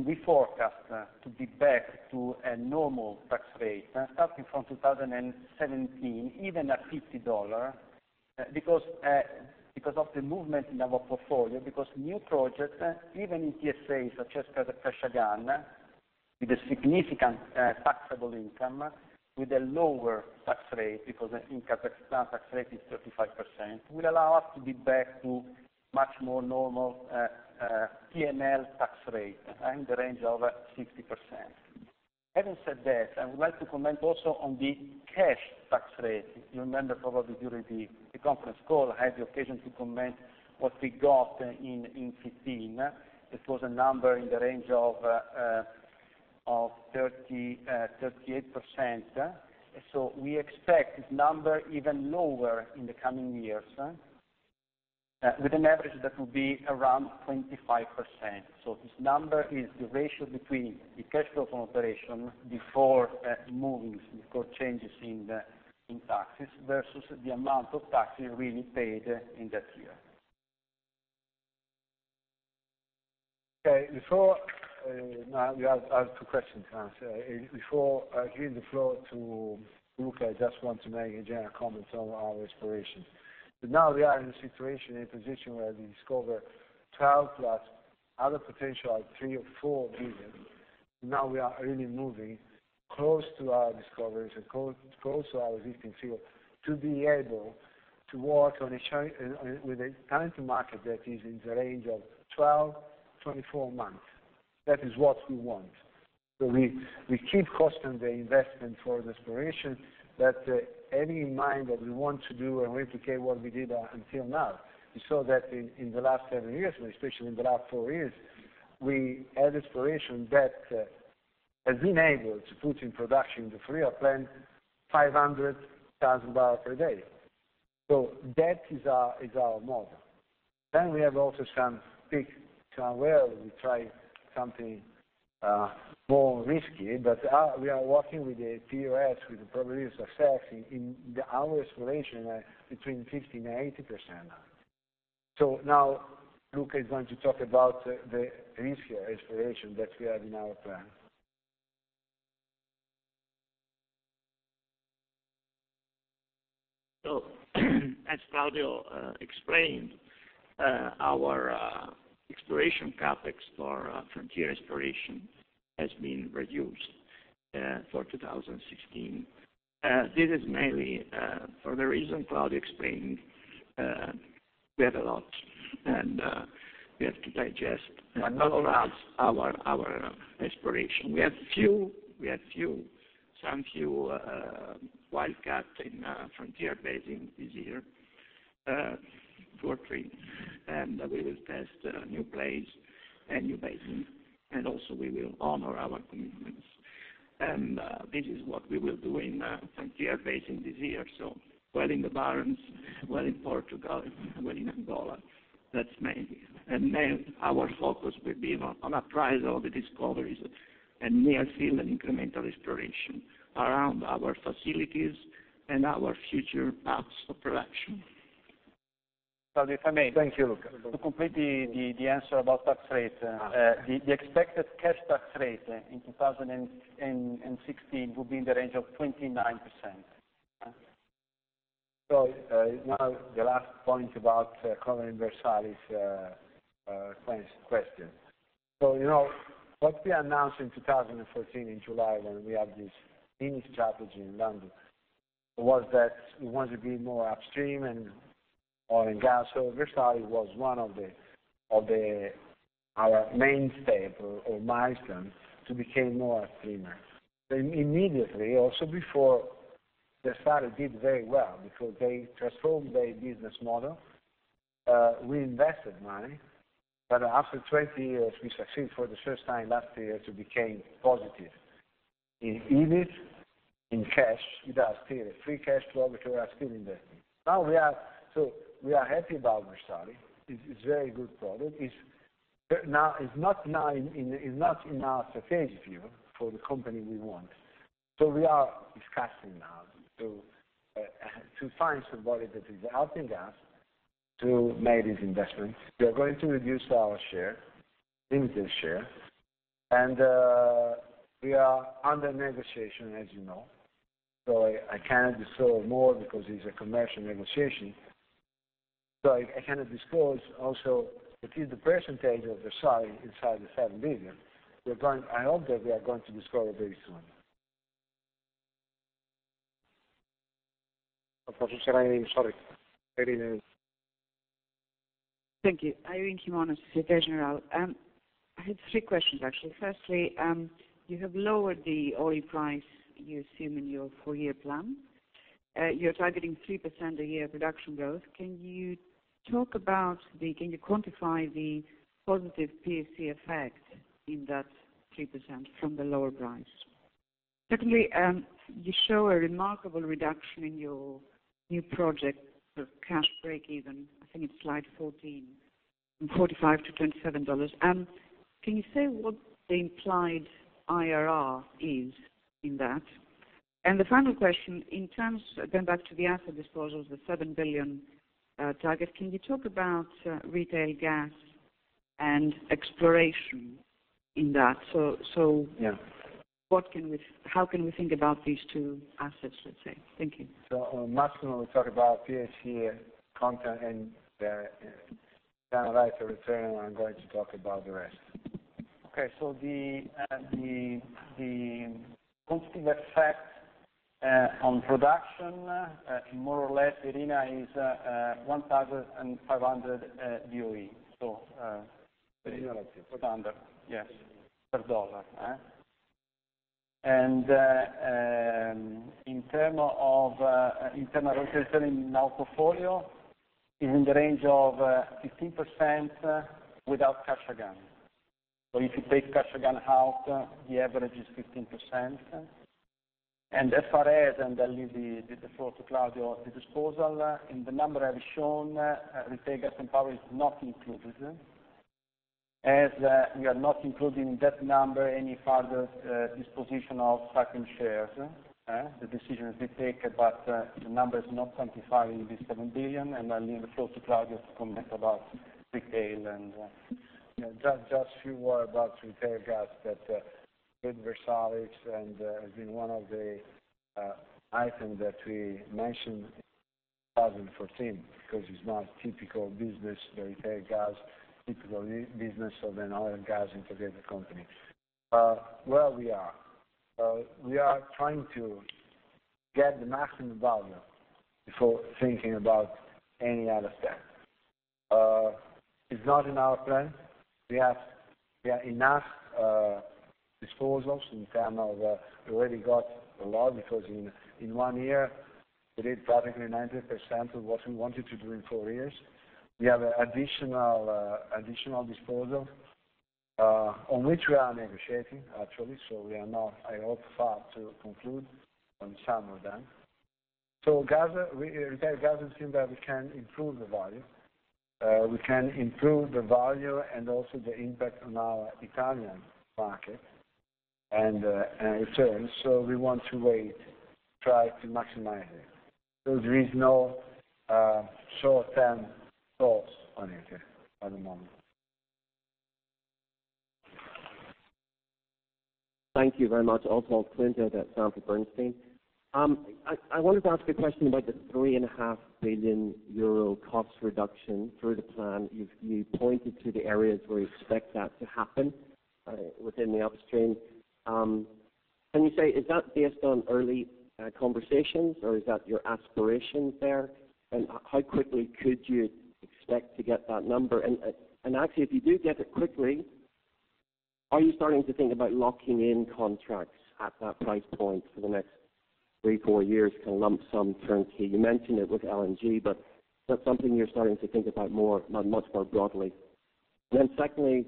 We forecast to be back to a normal tax rate starting from 2017, even at $50. Because of the movement in our portfolio, because new projects, even in PSAs such as Kashagan, with a significant taxable income, with a lower tax rate, because I think Kazakhstan tax rate is 35%, will allow us to be back to much more normal P&L tax rate in the range of 60%. Having said that, I would like to comment also on the cash tax rate. If you remember, probably during the conference call, I had the occasion to comment what we got in 2015. It was a number in the range of 38%. We expect this number even lower in the coming years, with an average that will be around 25%. This number is the ratio between the cash flow from operation before moves, before changes in taxes versus the amount of taxes really paid in that year. I have 2 questions to answer. Before giving the floor to Luca, I just want to make a general comment on our exploration. We are in a situation, a position where we discover 12 plus other potential 3 or 4 billion. We are really moving close to our discoveries and close to our existing field to be able to work with a current market that is in the range of 12-24 months. That is what we want. We keep constant the investment for exploration that Eni mine that we want to do and replicate what we did until now. We saw that in the last 7 years, but especially in the last 4 years, we had exploration that has been able to put in production the FreeUp plant 500,000 barrels per day. That is our model. We have also some peak to our world. We try something more risky, we are working with the POS, with the probabilities of success in our exploration between 50%-80%. Luca is going to talk about the riskier exploration that we have in our plan. As Claudio explained, our exploration CapEx for frontier exploration has been reduced for 2016. This is mainly for the reason Claudio explained. We have a lot, we have to digest. Not all of our exploration. We have some few wildcat in frontier basin this year, two or three, and we will test new plays and new basin, and also we will honor our commitments. This is what we will do in frontier basin this year. Well in the Barents, well in Portugal, well in Angola, that's mainly. Our focus will be on appraise all the discoveries and near field and incremental exploration around our facilities and our future paths of production. Claudio, if I may? Thank you, Luca. To complete the answer about tax rate. The expected cash tax rate in 2016 will be in the range of 29%. Now the last point about Versalis question. What we announced in 2014, in July, when we had this Eni strategy in London, was that we want to be more upstream and oil and gas. Versalis was one of our main staple or milestone to become more upstream. Immediately, also before, Versalis did very well because they transformed their business model. We invested money, but after 20 years, we succeed for the first time last year to become positive in Eni, in cash. With our still free cash flow, which we are still investing. We are happy about Versalis. It's a very good product. It's not now in our strategic view for the company we want. We are discussing now to find somebody that is helping us to make these investments. We are going to reduce our share, Eni share, and we are under negotiation, as you know. I can't disclose more because it's a commercial negotiation. I cannot disclose also what is the percentage of Versalis inside the 7 billion. I hope that we are going to disclose very soon. [Proceed Irene], sorry. Irene? Thank you. Irene Himona, Société Générale. I have three questions, actually. Firstly, you have lowered the oil price you assume in your four-year plan. You are targeting 3% a year production growth. Can you quantify the positive PFC effect in that 3% from the lower price? Secondly, you show a remarkable reduction in your new project for cash break even, I think it is slide 14, from $45 to $27. Can you say what the implied IRR is in that? The final question, going back to the asset disposals, the $7 billion target, can you talk about retail gas and exploration in that? Yeah How can we think about these two assets, let's say? Thank you. Massimo will talk about PFC content and the kind of rate of return. I am going to talk about the rest. Okay. The positive effect on production, more or less, Irene is 1,500 BOE. Irene is 400. Yes, per dollar. In terms of internal return in our portfolio, is in the range of 15% without Kashagan. If you take Kashagan out, the average is 15%. As far as, I leave the floor to Claudio, the disposal, in the number I've shown, Retail Gas & Power is not included, as we are not including that number any further disposition of Saipem shares. The decisions we take about the numbers not quantifying the 7 billion, I leave the floor to Claudio to comment about retail. Just a few words about Retail Gas, that with Versalis, and has been one of the items that we mentioned in 2014, because it's not a typical business, the Retail Gas, typical business of an oil and gas integrated company. Where we are? We are trying to get the maximum value before thinking about any other step. It's not in our plan. We have enough disposals in terms of we already got a lot, because in one year we did practically 90% of what we wanted to do in four years. We have additional disposal, on which we are negotiating, actually. We are now, I hope, far to conclude on some of them. Retail Gas is something that we can improve the value. We can improve the value and also the impact on our Italian market and returns. We want to wait, try to maximize it. There is no short-term thoughts on it at the moment. Thank you very much. Oswald Clint at Sanford C. Bernstein. I wanted to ask a question about the 3.5 billion euro cost reduction through the plan. You pointed to the areas where you expect that to happen within the upstream. Can you say, is that based on early conversations or is that your aspirations there? And how quickly could you expect to get that number? And actually, if you do get it quickly, are you starting to think about locking in contracts at that price point for the next three, four years, kind of lump sum turnkey? You mentioned it with LNG, but is that something you're starting to think about much more broadly? And then secondly,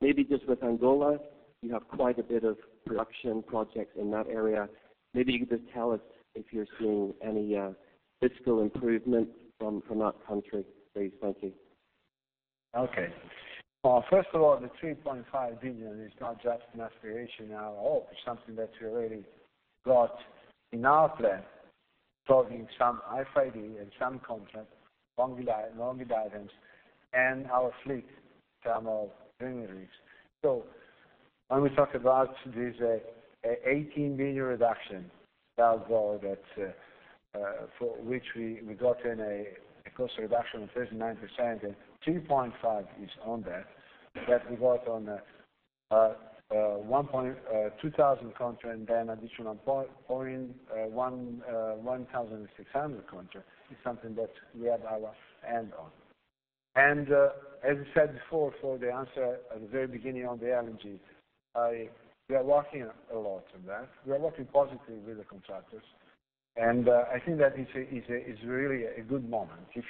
maybe just with Angola, you have quite a bit of production projects in that area. Maybe you could just tell us if you're seeing any fiscal improvement from that country, please. Thank you. Okay. First of all, the 3.5 billion is not just an aspiration now. It's something that we already got in our plan, talking some [high-grading] and some contract, longer items, and our fleet in term of drilling rigs. So when we talk about this EUR 18 billion reduction, that goal that for which we got in a cost reduction of 39% and 2.5 is on that we got on a 2,000 contract and then additional 1,600 contract, is something that we have our hand on. And as I said before, for the answer at the very beginning on the LNG, we are working a lot on that. We are working positively with the contractors. And I think that it's really a good moment. I think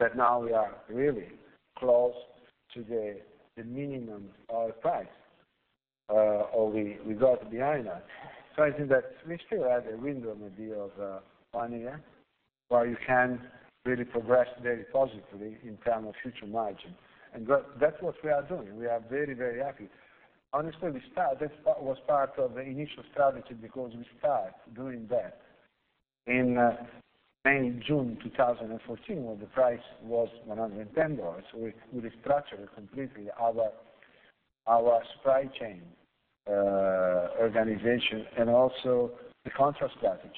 that now we are really close to the minimum oil price, or we got behind that. So I think that we still have a window maybe of one year where you can really progress very positively in term of future margin. And that's what we are doing. We are very happy. Honestly, that was part of the initial strategy because we start doing that in May, June 2014, when the price was $110. We restructured completely our supply chain, organization, and also the contract strategy.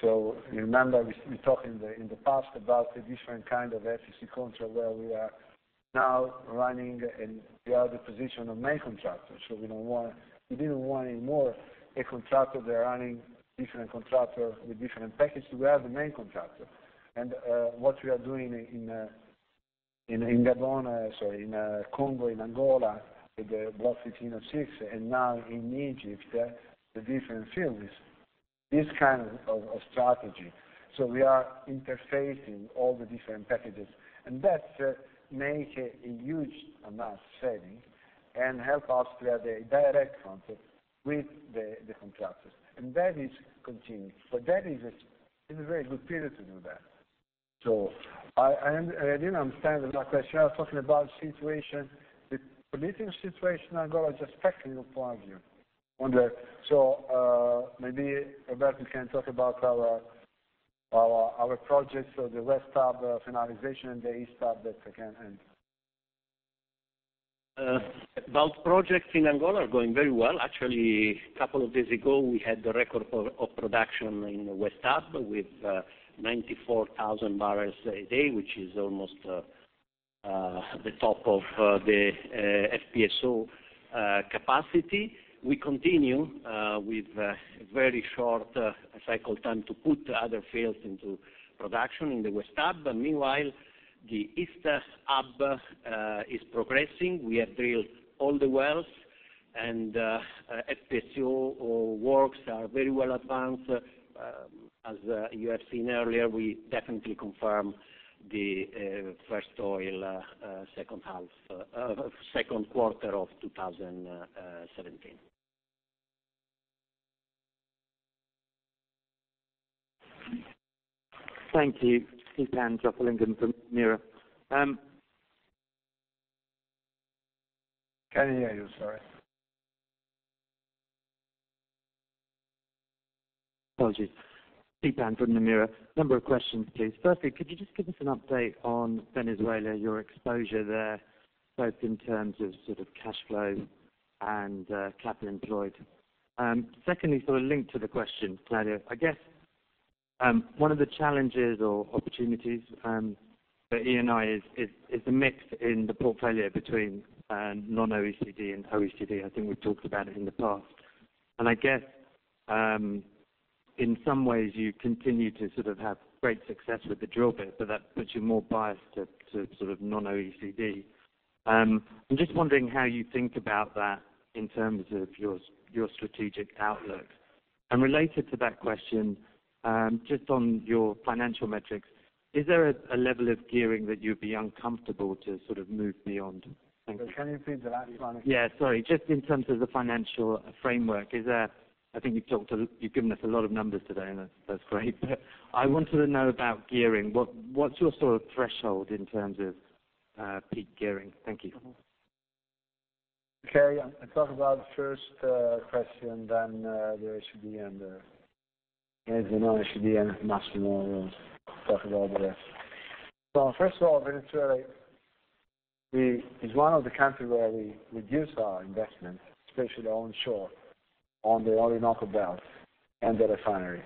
So remember, we talked in the past about the different kind of EPC contract where we are now running and we are the position of main contractor. We didn't want any more a contractor there running different contractor with different package. We are the main contractor. And what we are doing in Gabon, sorry, in Congo, in Angola, with the Block 15/06, and now in Egypt, the different fields, this kind of strategy. We are interfacing all the different packages, and that make a huge amount of savings and help us to have a direct contact with the contractors, and that is continuing. That is a very good period to do that. I didn't understand the last question. I was talking about the situation, the political situation in Angola, just checking your point of view on that. Maybe Roberto can talk about our projects. So the West Hub finalization and the East Hub that again end. Both projects in Angola are going very well. Actually, a couple of days ago, we had the record of production in the West Hub with 94,000 barrels a day, which is almost the top of the FPSO capacity. We continue with a very short cycle time to put other fields into production in the West Hub. Meanwhile, the East Hub is progressing. We have drilled all the wells, and FPSO works are very well advanced. As you have seen earlier, we definitely confirm the first oil, second quarter of 2017. Thank you. Theepan Jothilingam from Nomura. Can't hear you, sorry. Apologies. Theepan from Nomura. A number of questions, please. Firstly, could you just give us an update on Venezuela, your exposure there, both in terms of sort of cash flow and capital employed? Secondly, sort of linked to the question, Claudio, I guess, one of the challenges or opportunities for Eni is the mix in the portfolio between non-OECD and OECD. I think we've talked about it in the past. I guess, in some ways you continue to sort of have great success with the drill bit, but that puts you more biased to sort of non-OECD. I'm just wondering how you think about that in terms of your strategic outlook. Related to that question, just on your financial metrics, is there a level of gearing that you'd be uncomfortable to sort of move beyond? Thank you. Can you repeat that? Sorry. Yeah, sorry. Just in terms of the financial framework, I think you've given us a lot of numbers today, and that's great, but I wanted to know about gearing. What's your sort of threshold in terms of peak gearing? Thank you. Okay. I'll talk about the first question, then the OECD and the non-OECD, and Massimo will talk about the rest. First of all, Venezuela is one of the country where we reduce our investment, especially the onshore, on the Orinoco Belt and the refinery.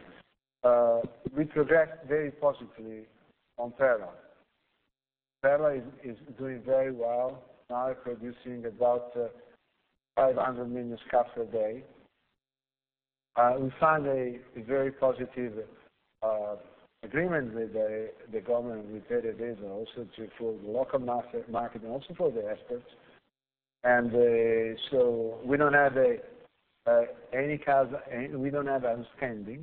We progress very positively on Perla. Perla is doing very well, now producing about 500 million SCF a day. We signed a very positive agreement with the government, with PDVSA, also for the local market and also for the exports. We don't have outstanding.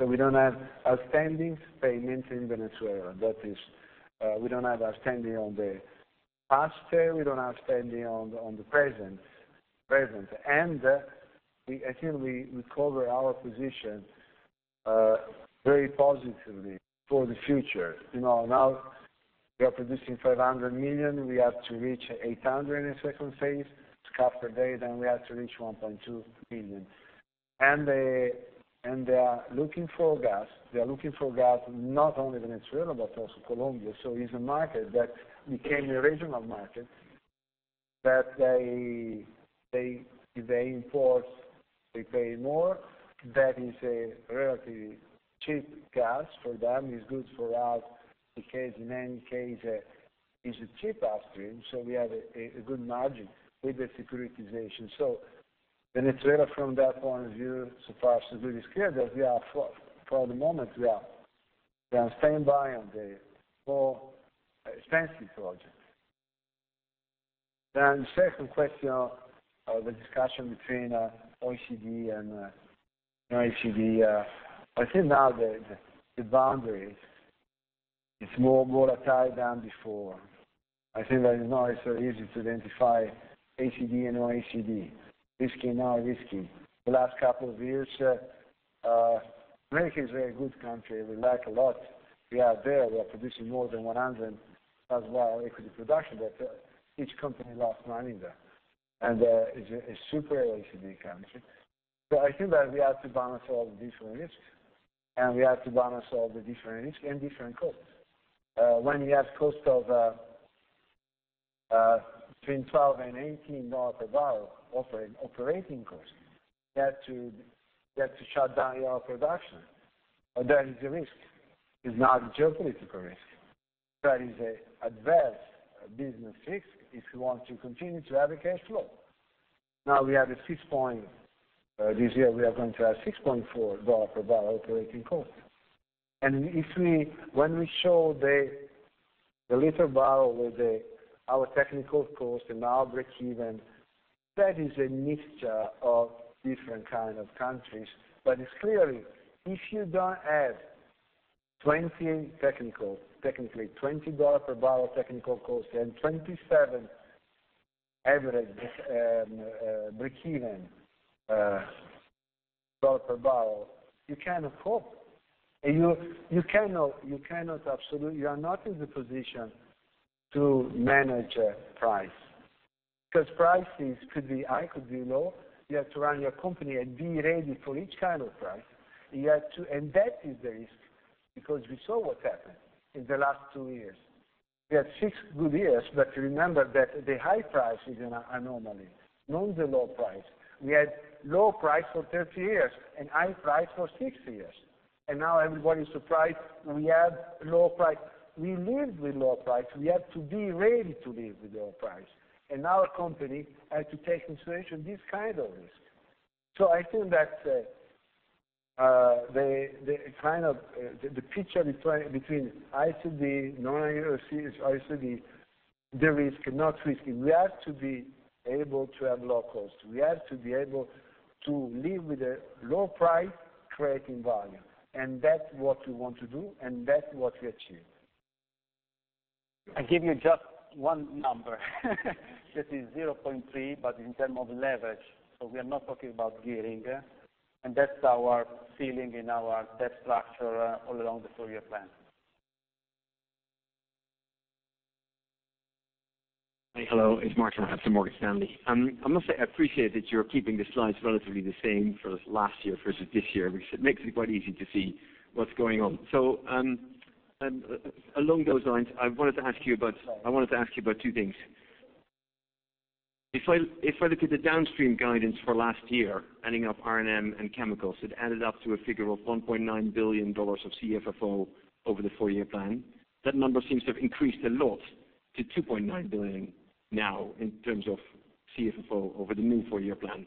We don't have outstanding payments in Venezuela. That is, we don't have outstanding on the past pay, we don't have outstanding on the present. I think we cover our position very positively for the future. Now we are producing 500 million SCF. We have to reach 800 SCF per day in the second phase, then we have to reach 1.2 billion SCF. They are looking for gas. They are looking for gas, not only Venezuela, but also Colombia. It's a market that became a regional market, that they import, they pay more. That is a relatively cheap gas for them. It's good for us because in any case, it's a cheap upstream. We have a good margin with the securitization. Venezuela, from that point of view, so far, so good, is clear that for the moment, we are standing by on the more expensive project. The second question of the discussion between OECD and non-OECD. I think now the boundary is more volatile than before. I think that it's not so easy to identify OECD, non-OECD. Risky, not risky. The last couple of years, America is a very good country. We like a lot. We are there. We are producing more than 100 as well, equity production, but each company lost money there. It's a super OECD country. I think that we have to balance all the different risks, and we have to balance all the different risks and different costs. When you have cost of between 12 and EUR 18 a barrel operating cost, you have to shut down your production, or there is a risk. It's not a geopolitical risk. That is an adverse business risk if you want to continue to have a cash flow. This year, we are going to have EUR 6.4 per barrel operating cost. When we show the little barrel with our technical cost and our breakeven, that is a mixture of different kind of countries. It's clear, if you don't have 20 technical, technically, EUR 20 per barrel technical cost, and 27 average breakeven per barrel. You cannot cope. You are not in the position to manage a price, because prices could be high, could be low. You have to run your company and be ready for each kind of price. That is the risk, because we saw what happened in the last two years. We had six good years, but remember that the high price is an anomaly, not the low price. We had low price for 30 years and high price for six years, and now everybody's surprised we have low price. We live with low price. We have to be ready to live with low price, and our company had to take into consideration this kind of risk. I think that the picture between OECD, non-OECD, the risk and not risky, we have to be able to have low cost. We have to be able to live with a low price, creating value. That's what we want to do, and that's what we achieved. I give you just one number that is 0.3, but in term of leverage. We are not talking about gearing. That's our ceiling in our debt structure all along the four-year plan. Hello. It's Mark Rapson, Morgan Stanley. I must say, I appreciate that you're keeping the slides relatively the same for last year versus this year, which makes it quite easy to see what's going on. Along those lines, I wanted to ask you about two things. If I look at the downstream guidance for last year, adding up R&M and chemicals, it added up to a figure of EUR 1.9 billion of CFFO over the four-year plan. That number seems to have increased a lot to 2.9 billion now in terms of CFFO over the new four-year plan.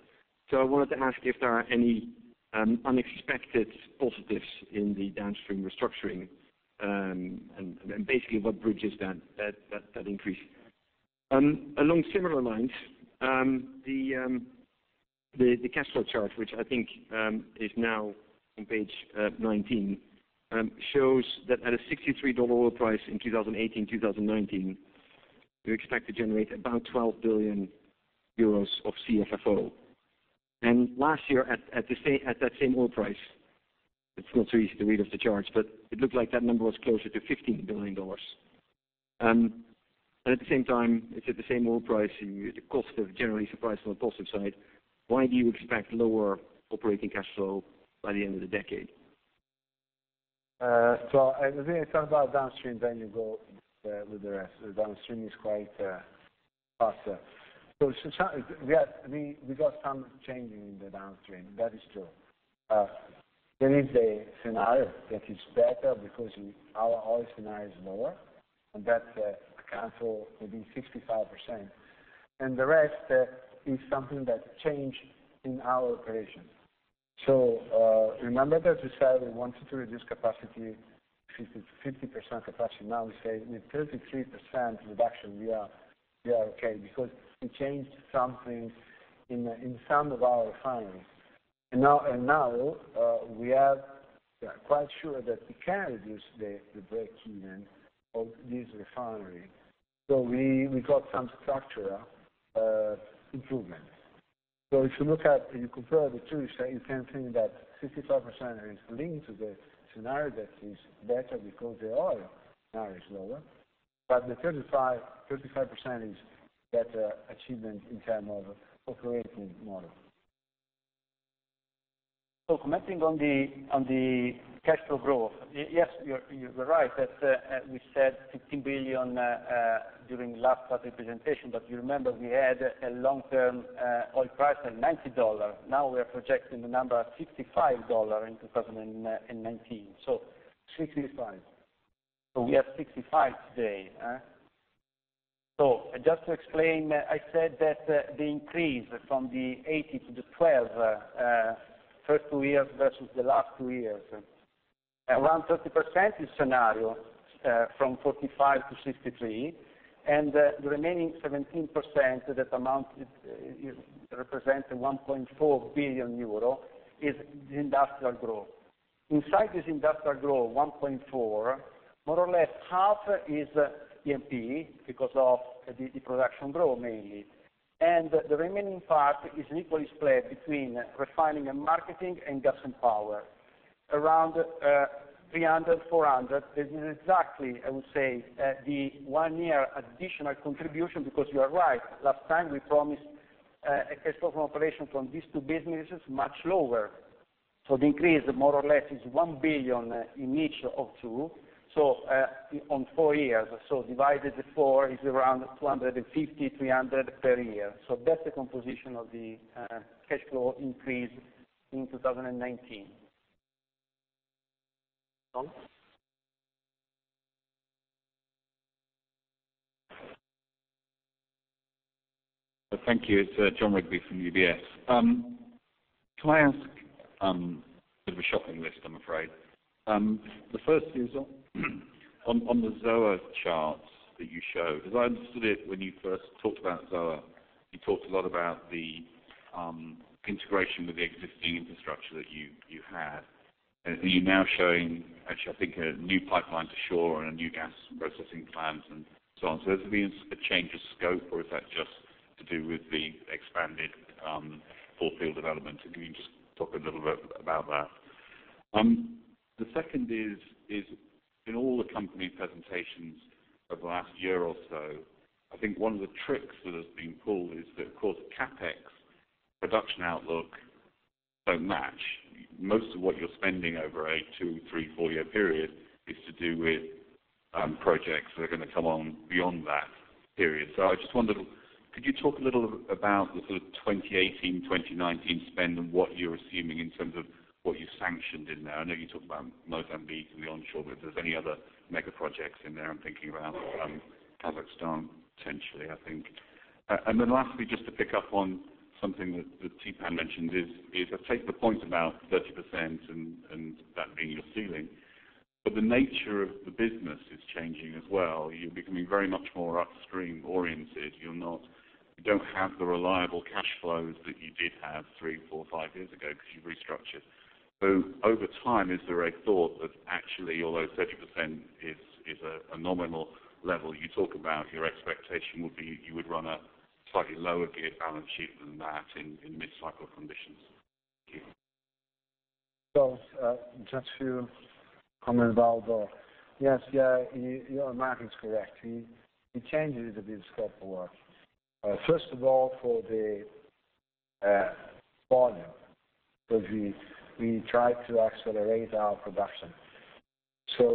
I wanted to ask if there are any unexpected positives in the downstream restructuring, and basically what bridges that increase? Along similar lines, the cash flow chart, which I think is now on page 19, shows that at a $63 oil price in 2018/2019, you expect to generate about 12 billion euros of CFFO. Last year at that same oil price, it's not so easy to read off the charts, but it looked like that number was closer to EUR 15 billion. At the same time, it's at the same oil price and the cost of generating supplies from the positive side, why do you expect lower operating cash flow by the end of the decade? If you talk about downstream, then you go with the rest. The downstream is quite faster. We got some changing in the downstream, that is true. There is the scenario that is better because our oil scenario is lower, and that accounts for maybe 65%. The rest is something that changed in our operations. Remember that we said we wanted to reduce capacity, 50% capacity. Now we say with 33% reduction, we are okay because we changed something in some of our refineries. Now, we are quite sure that we can reduce the breakeven of these refineries. We got some structural improvements. If you look at, you compare the two, you can think that 65% is linked to the scenario that is better because the oil now is lower. The 35% is better achievement in term of operating model. Commenting on the cash flow growth, yes, you're right that we said 15 billion during last quarter presentation, but you remember we had a long term oil price at $90. Now we are projecting the number at $65 in 2019. 65. We have 65 today. Just to explain, I said that the increase from the 80 to the 12, first two years versus the last two years. Around 30% is scenario, from $45 to $63, and the remaining 17%, that amount represents 1.4 billion euro, is the industrial growth. Inside this industrial growth, 1.4, more or less half is E&P because of the production growth mainly. The remaining part is equally splayed between Refining & Marketing and Gas & Power. Around 300, 400, this is exactly, I would say, the one year additional contribution because you are right, last time we promised a cash flow from operations from these two businesses much lower. The increase more or less is 1 billion in each of two, so on four years. Divided the four is around 250, 300 per year. That's the composition of the cash flow increase in 2019. Jon? Thank you. It's Jon Rigby from UBS. Can I ask, bit of a shopping list, I'm afraid. The first is on the Zohr chart that you show, because I understood it when you first talked about Zohr, you talked a lot about the integration with the existing infrastructure that you have. Are you now showing, actually, I think a new pipeline to shore and a new gas processing plant and so on. Has there been a change of scope or is that just to do with the expanded full field development? Can you just talk a little bit about that? The second is, in all the company presentations over the last year or so, I think one of the tricks that has been pulled is that, of course, CapEx production outlook don't match. Most of what you're spending over a two, three, four-year period is to do with projects that are going to come on beyond that period. I just wondered, could you talk a little about the sort of 2018, 2019 spend, and what you're assuming in terms of what you sanctioned in there? I know you talked about Mozambique and the onshore, but if there's any other mega projects in there, I'm thinking about Kazakhstan, potentially, I think. Lastly, just to pick up on something that Theepan mentioned is, I take the point about 30% and that being your ceiling, but the nature of the business is changing as well. You're becoming very much more upstream oriented. You don't have the reliable cash flows that you did have three, four, five years ago because you restructured. Over time, is there a thought that actually, although 30% is a nominal level you talk about, your expectation would be you would run a slightly lower gear balance sheet than that in mid-cycle conditions? Thank you. Just to comment about that. Yes, your market is correct. We changed it a bit, the scope of work. First of all, for the volume, because we tried to accelerate our production.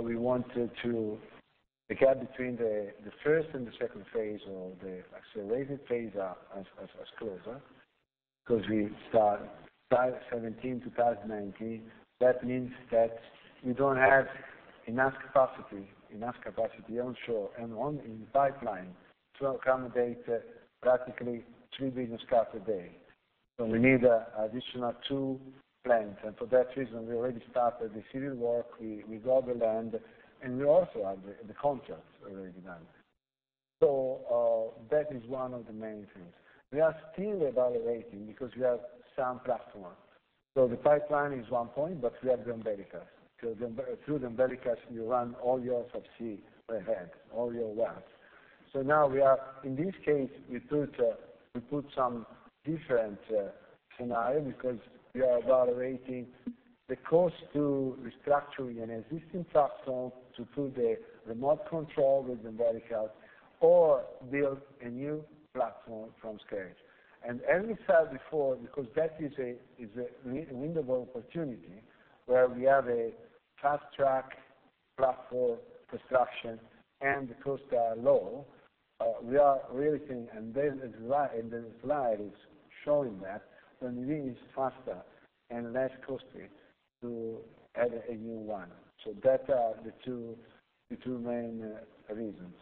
We wanted to, the gap between the first and the second phase, or the accelerated phase up as closer, because we start 2017, 2019. That means that we don't have enough capacity onshore and in the pipeline to accommodate practically 3 billion SCF a day. We need additional two plants, and for that reason, we already started the civil work. We got the land, and we also have the contracts already done. That is one of the main things. We are still evaluating because we have some platforms. The pipeline is one point, but we have the umbilicals. Through the umbilicals, you run all your subsea ahead, all your wells. Now we are, in this case, we put some different scenario because we are evaluating the cost to restructuring an existing platform to do the remote control with umbilicals or build a new platform from scratch. As we said before, because that is a window of opportunity where we have a fast track platform construction and the costs are low, we are really seeing, and the slide is showing that it is faster and less costly to add a new one. That are the two main reasons.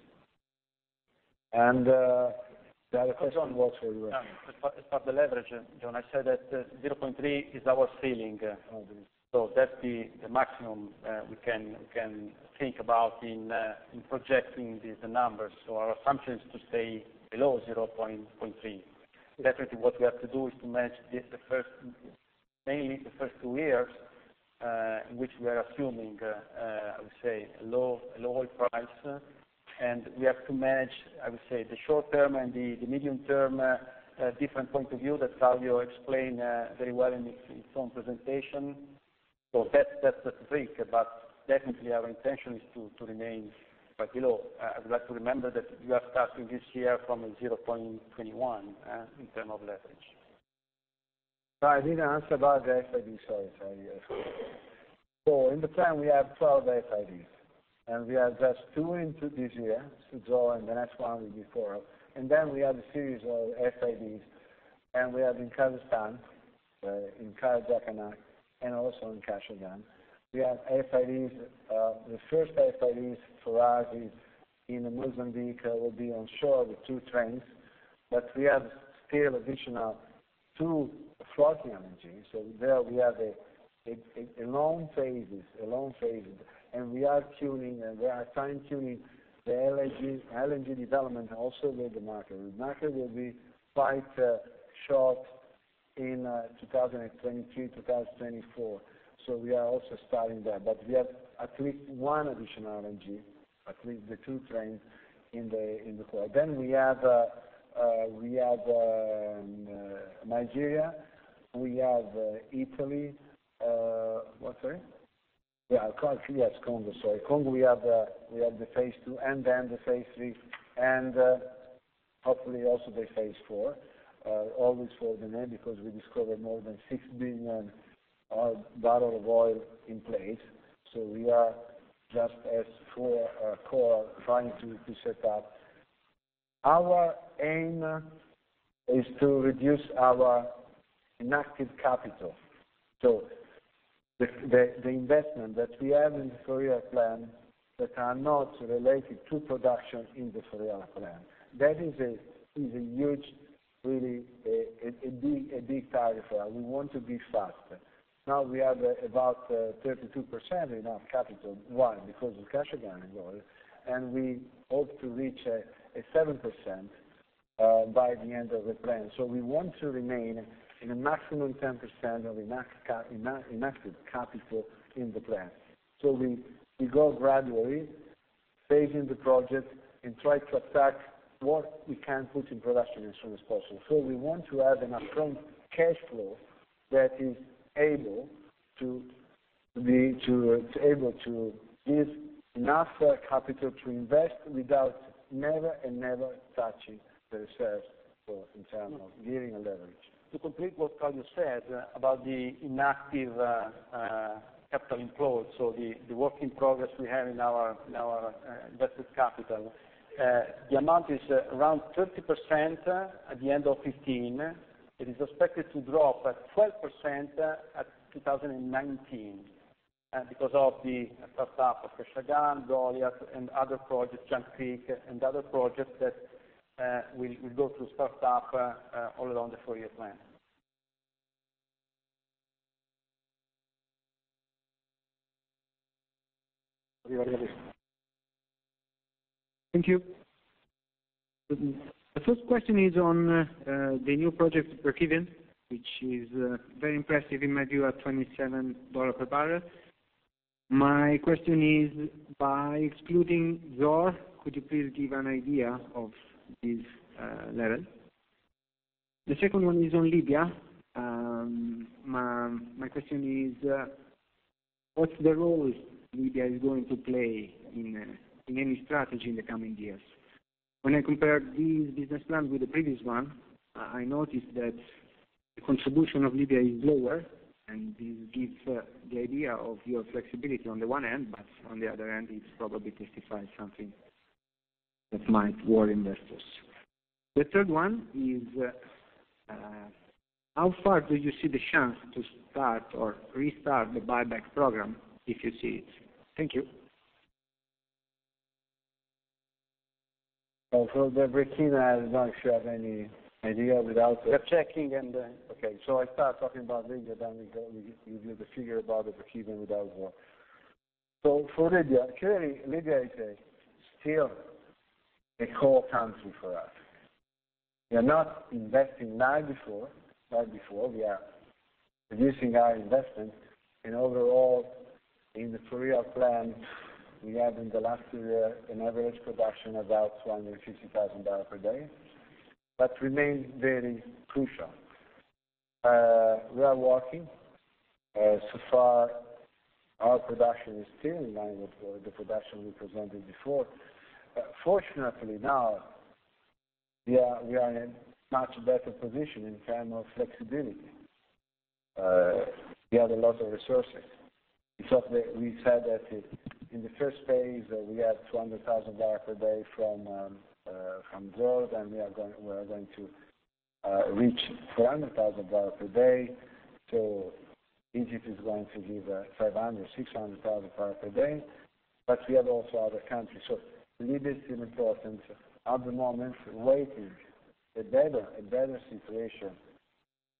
The other question was? Jon? Oh, yes. As far as the leverage, Jon, I said that 0.3 is our ceiling. That's the maximum we can think about in projecting these numbers. Our assumption is to stay below 0.3. Definitely, what we have to do is to manage this mainly the first two years, which we are assuming, I would say, a low oil price. We have to manage, I would say, the short term and the medium term, a different point of view that Claudio explained very well in his own presentation. That's the trick. Definitely our intention is to remain quite low. I would like to remember that we are starting this year from a 0.21 in term of leverage. I didn't answer about the FID. Sorry. In the plan, we have 12 FIDs, and we address two into this year, Zohr and the next one will be Coral. We have a series of FIDs, and we have in Kazakhstan, in Karachaganak, and also in Kashagan. We have FIDs, the first FIDs for us is in Mozambique, will be onshore, the two trains, but we have still additional two floating LNG. There we have a long phases. We are fine-tuning the LNG development also with the market. The market will be quite short in 2023, 2024. We are also starting there, but we have at least one additional LNG, at least the two trains in the Coral. We have Nigeria, we have Italy. What, sorry? Yeah, Congo. Sorry. Congo, we have the phase 2, the phase 3 and, hopefully, also the phase 4. Always for the name, because we discovered more than 6 billion barrels of oil in place. We are just as for Coral, trying to set up. Our aim is to reduce our inactive capital. The investment that we have in the four-year plan that are not related to production in the four-year plan. That is a huge, really a big target for us. We want to be faster. Now we have about 32% enough capital, one, because of Kashagan oil, and we hope to reach a 7% by the end of the plan. We want to remain in a maximum 10% of inactive capital in the plan. We go gradually phasing the project and try to attack what we can put in production as soon as possible. We want to have an upfront cash flow that is able to give enough capital to invest without ever touching the reserves in terms of gearing and leverage. To complete what Claudio said about the inactive capital employed, the work in progress we have in our invested capital, the amount is around 30% at the end of 2015. It is expected to drop at 12% at 2019 because of the startup of Kashagan, Goliat, Jangkrik, and other projects that will go to startup all along the four-year plan. Thank you. The first question is on the new project, breakeven, which is very impressive. It made you at $27 per barrel. My question is, by excluding Zohr, could you please give an idea of this level? The second one is on Libya. My question is, what's the role Libya is going to play in Eni's strategy in the coming years? When I compared this business plan with the previous one, I noticed that the contribution of Libya is lower, and this gives the idea of your flexibility on the one end, but on the other end, it probably testifies something that might worry investors. The third one is, how far do you see the chance to start or restart the buyback program, if you see it? Thank you. For the breakeven, I don't know if you have any idea without. We are checking. Okay. I start talking about Libya. We give you the figure about the breakeven without Zohr. For Libya, clearly Libya is still a core country for us. We are not investing like before. We are reducing our investment, and overall, in the four-year plan, we have in the last two years an average production of about 250,000 barrel per day, but remains very crucial. We are working. So far our production is still in line with the production we presented before. Fortunately, now we are in a much better position in terms of flexibility. We have a lot of resources. We said that in the first phase, we had 200,000 barrel per day from Zohr. We are going to reach 400,000 barrel per day. Egypt is going to give 500,000, 600,000 barrel per day, but we have also other countries. Libya is still important. At the moment, waiting a better situation.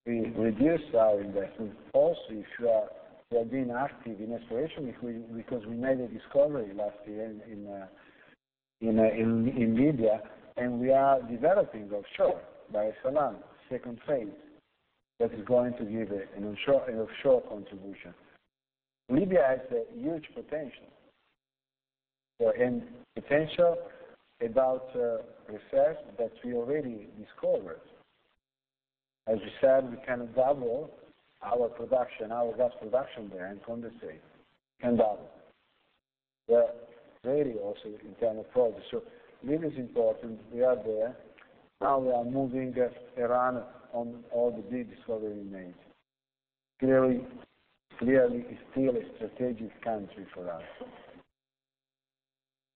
We reduced our investment also if we have been active in exploration because we made a discovery last year in Libya, and we are developing offshore Bahr Essalam, second phase, that is going to give an offshore contribution. Libya has a huge potential. In potential about reserves that we already discovered. As we said, we can double our gas production there and condensate, can double. We are ready also in terms of progress. Libya is important. We are there. Now we are moving around on all the big discovery we made. Clearly, it's still a strategic country for us.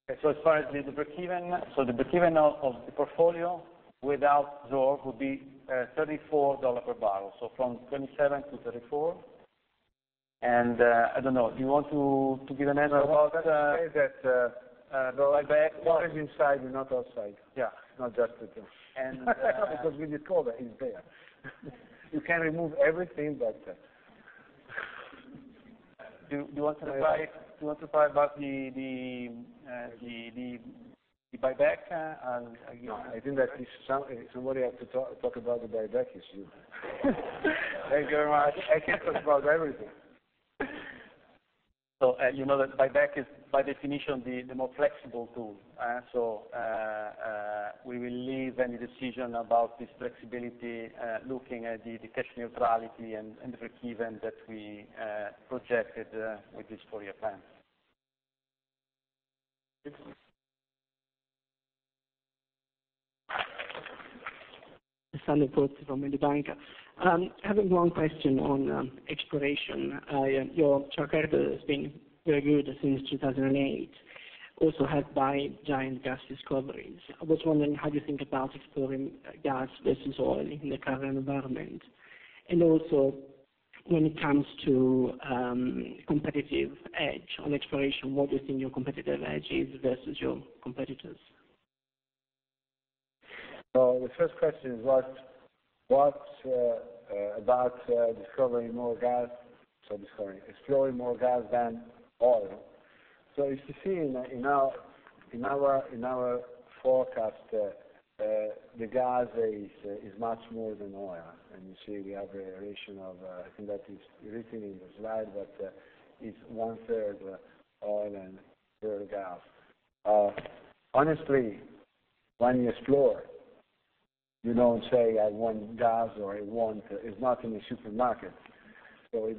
As far as the breakeven, so the breakeven of the portfolio without Zohr would be $34 per barrel, from 27 to 34. I don't know, do you want to give an answer about the buyback? No, I was going to say that what is inside is not outside. Yeah. Not just to tell. We discover it's there. You can remove everything but Do you want to talk about the buyback? No, I think that if somebody has to talk about the buyback, it's you. Thank you very much. I can't talk about everything. You know that buyback is, by definition, the more flexible tool. We will leave any decision about this flexibility looking at the cash neutrality and the breakeven that we projected with this four-year plan. Thank you. Alessandro Pozzi from Mediobanca. I have one question on exploration. Your track record has been very good since 2008, also helped by giant gas discoveries. I was wondering how you think about exploring gas versus oil in the current environment? When it comes to competitive edge on exploration, what do you think your competitive edge is versus your competitors? The first question is what about exploring more gas than oil? If you see in our forecast, the gas is much more than oil. You see we have a ratio of, I think that is written in the slide, but it's one third oil and third gas. Honestly, when you explore, you don't say, "I want gas," it's not in a supermarket. You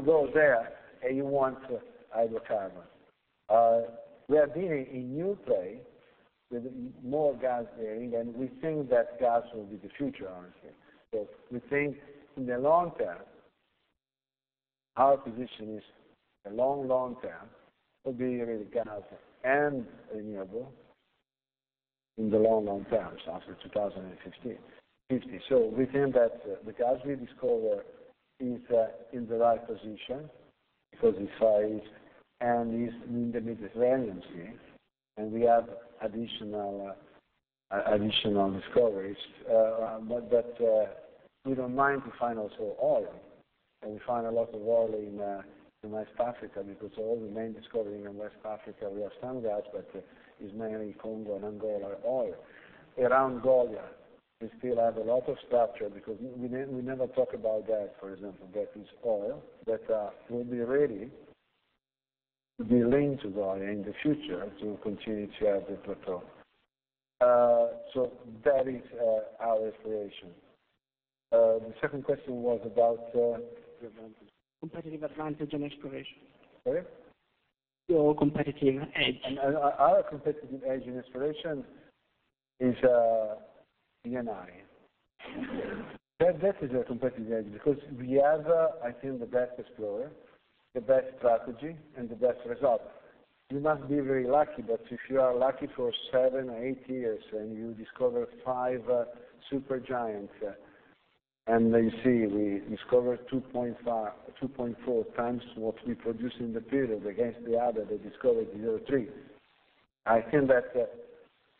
go there, and you want hydrocarbon. We are being in new play with more gas there, and we think that gas will be the future, honestly. We think in the long term, our position is the long, long term will be really gas and renewable. In the long, long term, after 2050. We think that the gas we discover is in the right position because it's high and it's in the Mediterranean Sea, and we have additional discoveries. We don't mind to find also oil, and we find a lot of oil in West Africa because all the main discovering in West Africa, we have standards, but it's mainly Congo and Angola oil. Around Angola, we still have a lot of structure because we never talk about that, for example, that is oil, that will be ready to be linked to Angola in the future to continue to have the plateau. That is our exploration. The second question was about the advantage? Competitive advantage on exploration. Sorry? Your competitive edge. Our competitive edge in exploration is Eni. That is our competitive edge because we have, I think, the best explorer, the best strategy, and the best result. You must be very lucky, but if you are lucky for seven or eight years and you discover five super giants, and you see we discovered 2.4 times what we produce in the period against the other that discovered 0.3.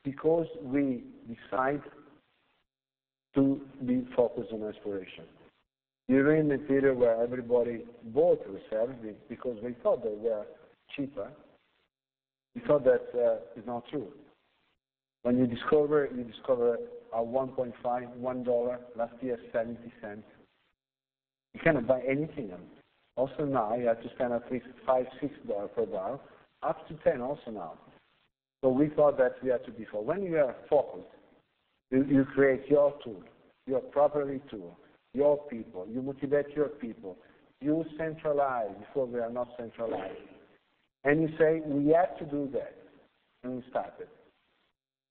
Because we decide to be focused on exploration during the period where everybody bought reserves because they thought they were cheaper. We thought that is not true. When you discover, you discover a $1.5, $1, last year $0.70. You cannot buy anything now. Also, now you have to spend at least $5, $6 per barrel, up to 10 also now. We thought that we had to be full. When you are focused, you create your tool, your property tool, your people. You motivate your people. You centralize. Before, we are not centralized. You say, "We have to do that," and we start it.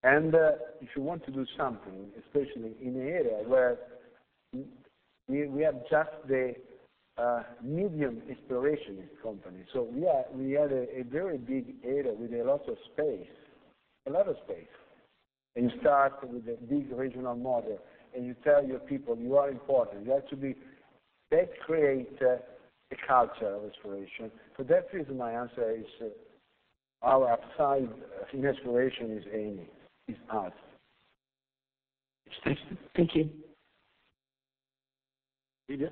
If you want to do something, especially in an area where we are just the medium exploration company. We had a very big area with a lot of space. A lot of space. You start with a big regional model, and you tell your people, "You are important. You have to be." That create a culture of exploration. For that reason, my answer is our upside in exploration is Eni, is us. Thank you. Lydia?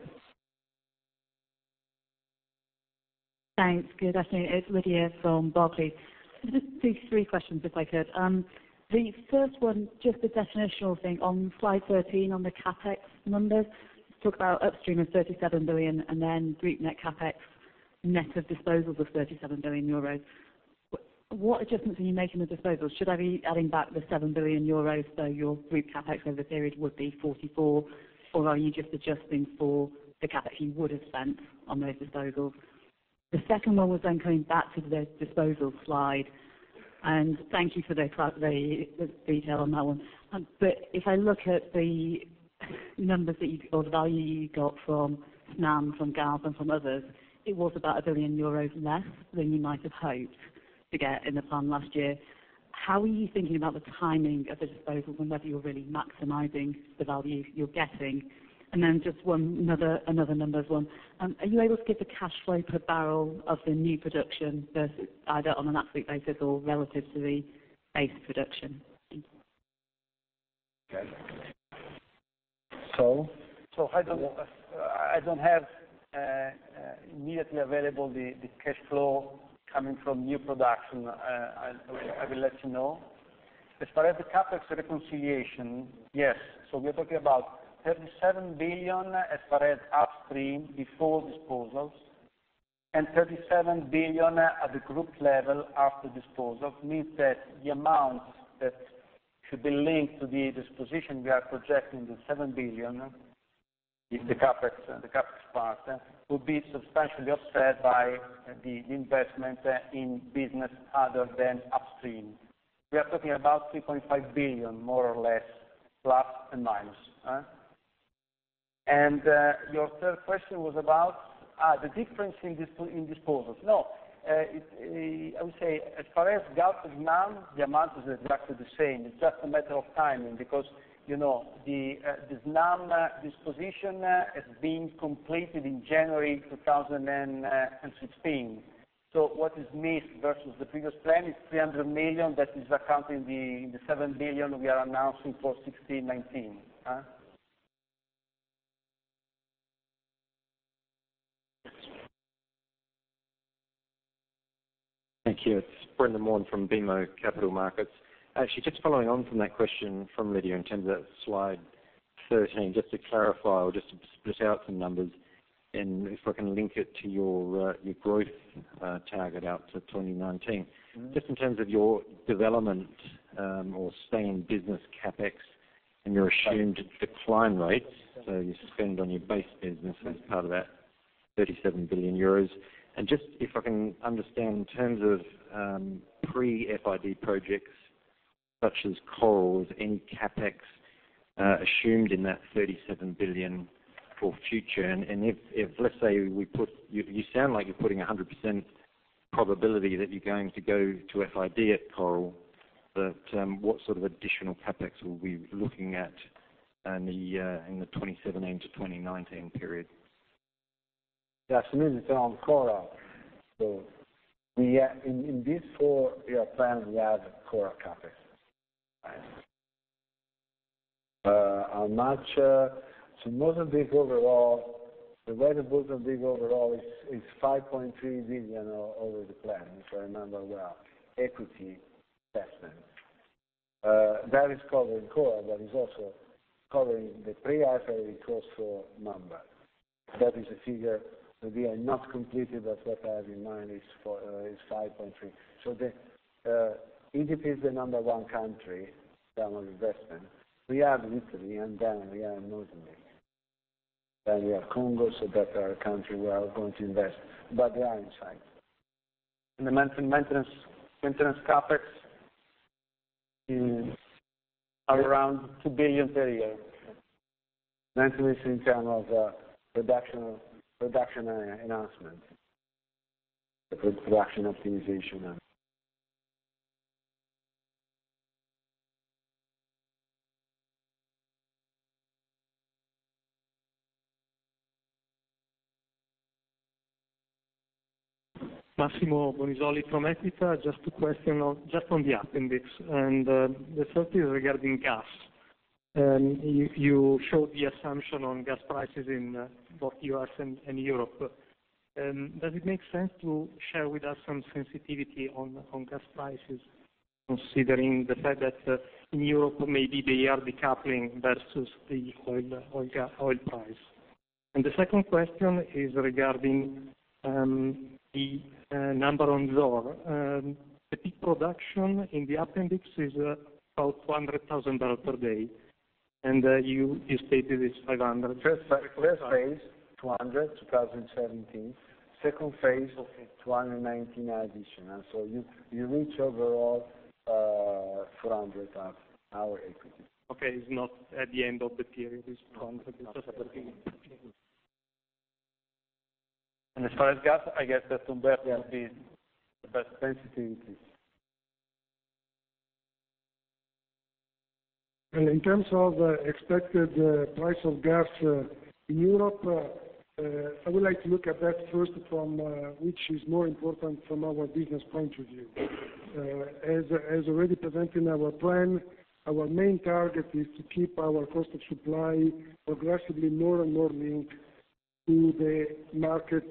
Thanks. Good afternoon. It's Lydia from Barclays. Just these three questions if I could. The first one, just a definitional thing. On slide 13 on the CapEx numbers, talk about upstream of 37 billion and then group net CapEx, net of disposals of 37 billion euros. What adjustments are you making with disposals? Should I be adding back the 7 billion euros, so your group CapEx over the period would be 44 billion? Are you just adjusting for the CapEx you would have spent on those disposals? The second one was coming back to the disposal slide, and thank you for the detail on that one. If I look at the numbers or the value you got from NAM, from Galp, and from others, it was about 1 billion euros less than you might have hoped to get in the plan last year. How are you thinking about the timing of the disposal and whether you're really maximizing the value you're getting? Just another numbers one. Are you able to give the cash flow per barrel of the new production, either on an absolute basis or relative to the base production? Thank you. Okay. So? I don't have immediately available the cash flow coming from new production. I will let you know. As far as the CapEx reconciliation, yes. We're talking about 37 billion as far as upstream before disposals, and 37 billion at the group level after disposal. Means that the amount that should be linked to the disposition, we are projecting the 7 billion, is the CapEx part, will be substantially offset by the investment in business other than upstream. We are talking about 3.5 billion, more or less, plus and minus. Your third question was about the difference in disposals. No. I would say as far as Galp and NAM, the amount is exactly the same. It's just a matter of timing because the NAM disposition has been completed in January 2016. What is missed versus the previous plan is 300 million. That is accounting the 7 billion we are announcing for 2016, 2019. Thank you. It's Brendan Warn from BMO Capital Markets. Just following on from that question from Lydia in terms of slide 13, just to clarify or just to split out some numbers. If I can link it to your growth target out to 2019. Just in terms of your development or staying business CapEx and your assumed decline rates, so you spend on your base business as part of that 37 billion euros. Just if I can understand in terms of pre-FID projects such as Coral, is any CapEx assumed in that 37 billion for future? You sound like you're putting 100% probability that you're going to go to FID at Coral, but what sort of additional CapEx will we be looking at in the 2017 to 2019 period? Yes, for me to turn on Coral. In these four year plans, we have Coral CapEx. How much? The way the book is big overall is 5.3 billion over the plan, if I remember well, equity investment. That is covering Coral, that is also covering the pre-FID cost for number. That is a figure that we have not completed, but what I have in mind is 5.3. Egypt is the number 1 country, term of investment. We have Italy, then we have Mozambique, then we have Congo, that are our country we are going to invest, but they are in sight. The maintenance CapEx is around 2 billion per year. Maintenance in term of production enhancement, the production optimization and. Massimo Bonisoli from Equita. Just two questions, just on the appendix. The first is regarding gas. You showed the assumption on gas prices in both U.S. and Europe. Does it make sense to share with us some sensitivity on gas prices, considering the fact that in Europe, maybe they are decoupling versus the oil price? The second question is regarding the number on Zohr. The peak production in the appendix is about 200,000 barrel per day, and you stated it's 500. First phase, 200, 2017. Second phase, 219 addition. You reach overall 400 our equity. Okay, it's not at the end of the period, it's EUR 400. No. As far as gas, I guess that Umberto has the best sensitivity. In terms of expected price of gas in Europe, I would like to look at that first from which is more important from our business point of view. As already presented in our plan, our main target is to keep our cost of supply progressively more and more linked to the market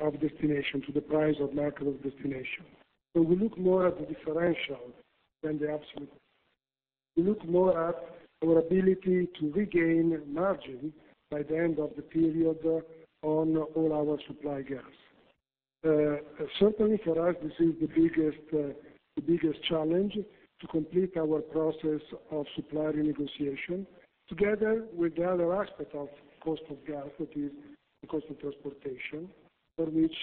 of destination, to the price of market of destination. We look more at the differential than the absolute. We look more at our ability to regain margin by the end of the period on all our supply gas. Certainly, for us, this is the biggest challenge, to complete our process of supply renegotiation, together with the other aspect of cost of gas, that is the cost of transportation, for which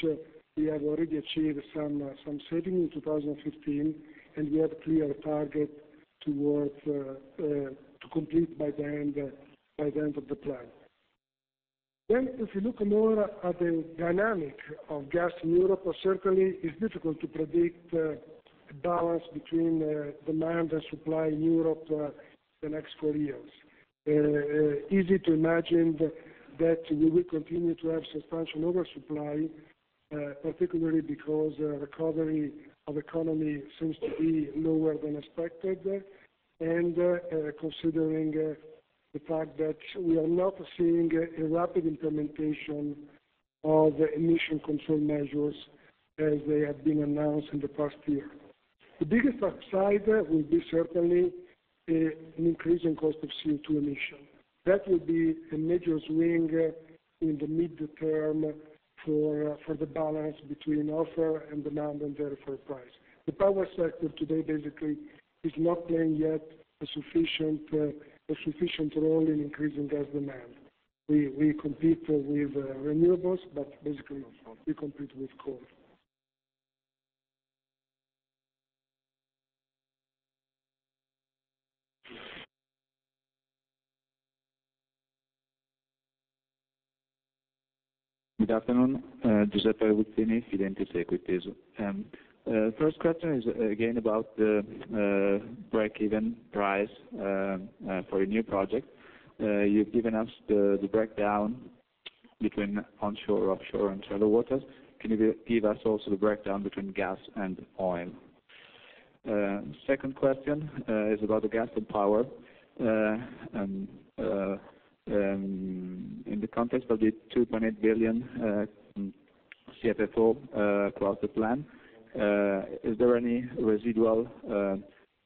we have already achieved some saving in 2015, and we have clear target to complete by the end of the plan. If you look more at the dynamic of gas in Europe, certainly, it's difficult to predict the balance between demand and supply in Europe the next 4 years. Easy to imagine that we will continue to have substantial oversupply, particularly because recovery of economy seems to be lower than expected, considering the fact that we are not seeing a rapid implementation of the emission control measures as they have been announced in the past year. The biggest upside will be certainly an increase in cost of CO2 emission. That will be a major swing in the mid-term for the balance between offer and demand, and therefore price. The power sector today basically is not playing yet a sufficient role in increasing gas demand. We compete with renewables, but basically, we compete with coal. Good afternoon, Giuseppe Rebuzzini, Fidentiis Equities. First question is again about the breakeven price for a new project. You've given us the breakdown between onshore, offshore, and shallow waters. Can you give us also the breakdown between gas and oil? Second question is about the gas and power. In the context of the 2.8 billion CFFO throughout the plan, is there any residual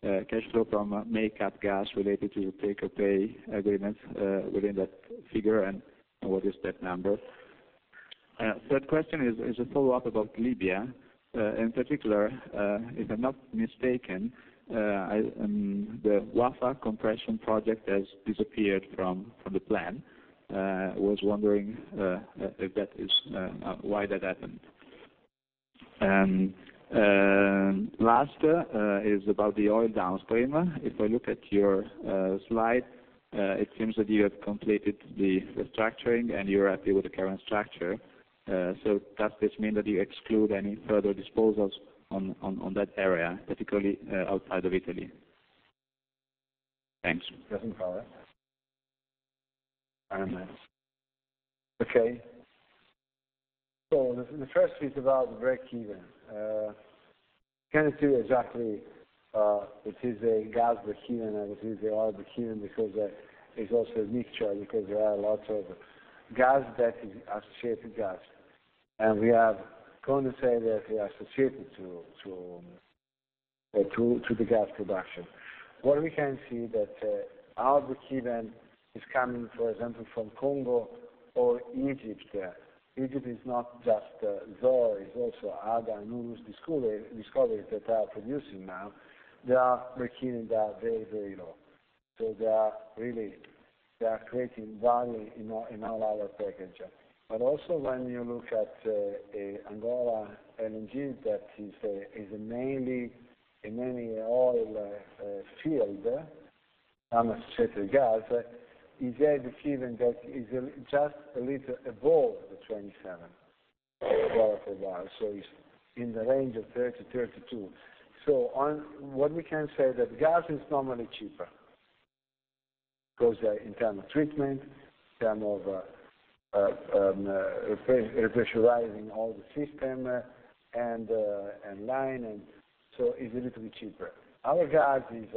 cash flow from make-up gas related to your take-or-pay agreements within that figure, and what is that number? Third question is a follow-up about Libya. In particular, if I'm not mistaken, the Wafa compression project has disappeared from the plan. I was wondering why that happened. Last is about the oil downstream. If I look at your slide, it seems that you have completed the restructuring and you're happy with the current structure. Does this mean that you exclude any further disposals on that area, particularly outside of Italy? Thanks. Doesn't follow. Okay. The first is about the breakeven. Cannot say exactly it is a gas breakeven or it is a oil breakeven, because it is also a mixture, because there are lots of gas that is associated gas. We are going to say that we are associated to the gas production. What we can see that our breakeven is coming, for example, from Congo or Egypt. Egypt is not just Zohr, it's also Hapy and Umm Sidom discoveries that are producing now. Their breakeven, they are very low. They are creating value in our whole package. Also when you look at Angola LNG, that is a mainly oil field, some associated gas, is at a given that is just a little above the $27 per barrel. It's in the range of $30-$32. What we can say that gas is normally cheaper. In term of treatment, in term of repressurizing all the system, and line, and so is a little bit cheaper. Our gas is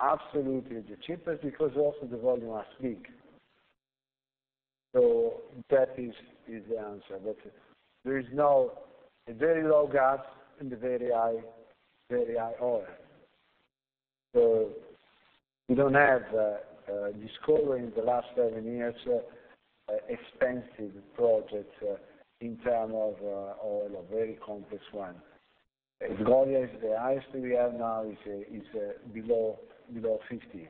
absolutely the cheapest because also the volume are big. That is the answer. That there is now a very low gas and a very high oil. We don't have discovery in the last seven years, expensive projects in term of oil, a very complex one. Goliat is the highest we have now, is below 50.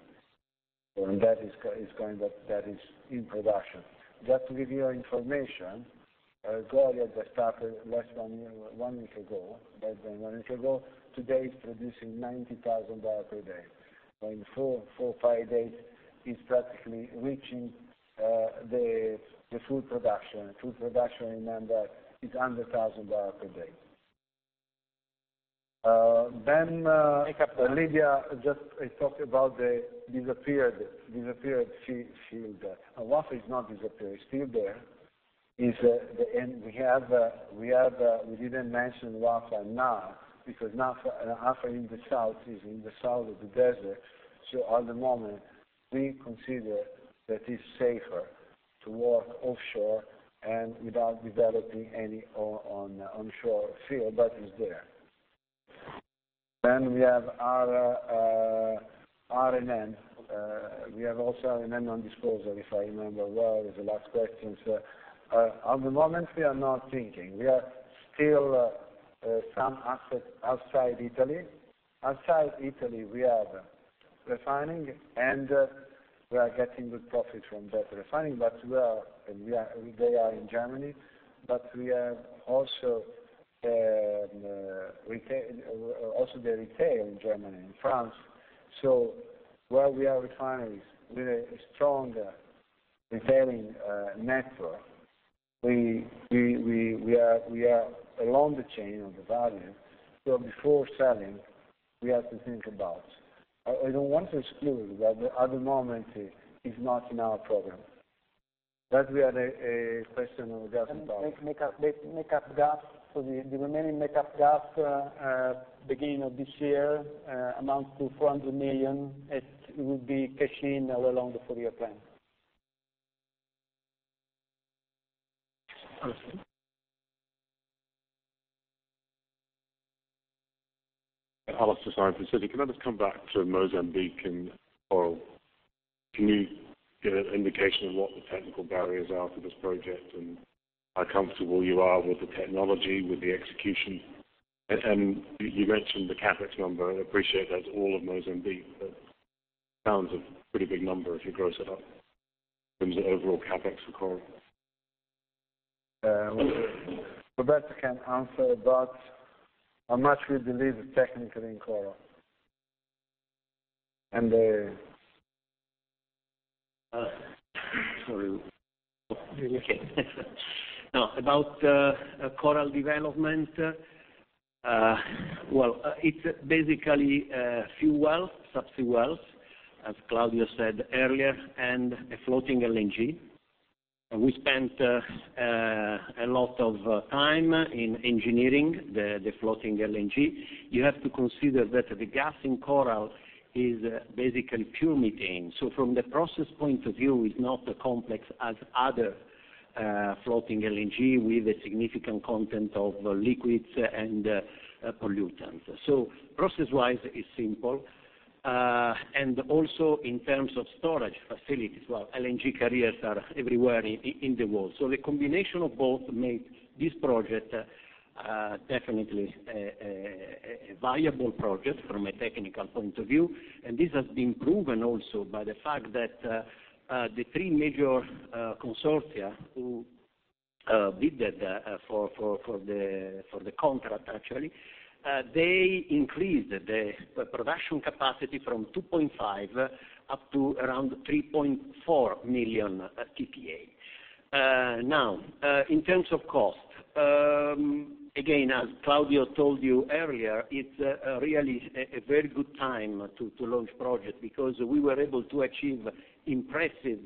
That is in production. Just to give you information, Goliat that started less than one year ago, today is producing 90,000 barrel per day. In four or five days, is practically reaching the full production. Full production, remember, is 100,000 barrel per day. Make up gas Libya, just I talked about the disappeared field. Wafa is not disappeared. It's still there. We didn't mention Wafa now because Wafa in the south, is in the south of the desert, at the moment, we consider that is safer to work offshore and without developing any onshore field. It's there. We have R&M. We have also R&M on disposal, if I remember well, is the last questions. At the moment, we are not thinking. We are still some assets outside Italy. Outside Italy, we have refining, and we are getting good profits from that refining. They are in Germany, but we have also the retail in Germany and France. Where we have refineries with a strong retailing network, we are along the chain of the value. Before selling, we have to think about. I don't want to exclude. At the moment, it's not in our program. We had a question on Gas & Power. Make up gas. The remaining make up gas, beginning of this year, amounts to 400 million. It will be cashing in along the four-year plan. Perfect. Alastair Syme from Citi. Can I just come back to Mozambique and Coral? Can you give an indication of what the technical barriers are for this project and how comfortable you are with the technology, with the execution? You mentioned the CapEx number. I appreciate that's all of Mozambique, but sounds a pretty big number if you gross it up in terms of overall CapEx for Coral. Roberto can answer about how much we believe technically in Coral. Sorry. Okay. No, about Coral development. Well, it's basically a few wells, sub sea wells, as Claudio said earlier, and a floating LNG. We spent a lot of time in engineering the floating LNG. You have to consider that the gas in Coral is basically pure methane. From the process point of view, it's not as complex as other floating LNG with a significant content of liquids and pollutants. Process-wise, it's simple. Also in terms of storage facilities, well, LNG carriers are everywhere in the world. The combination of both made this project definitely a viable project from a technical point of view. This has been proven also by the fact that the three major consortia who bidded for the contract, actually, they increased the production capacity from 2.5 up to around 3.4 million tpa. In terms of cost, again, as Claudio told you earlier, it's really a very good time to launch projects because we were able to achieve impressive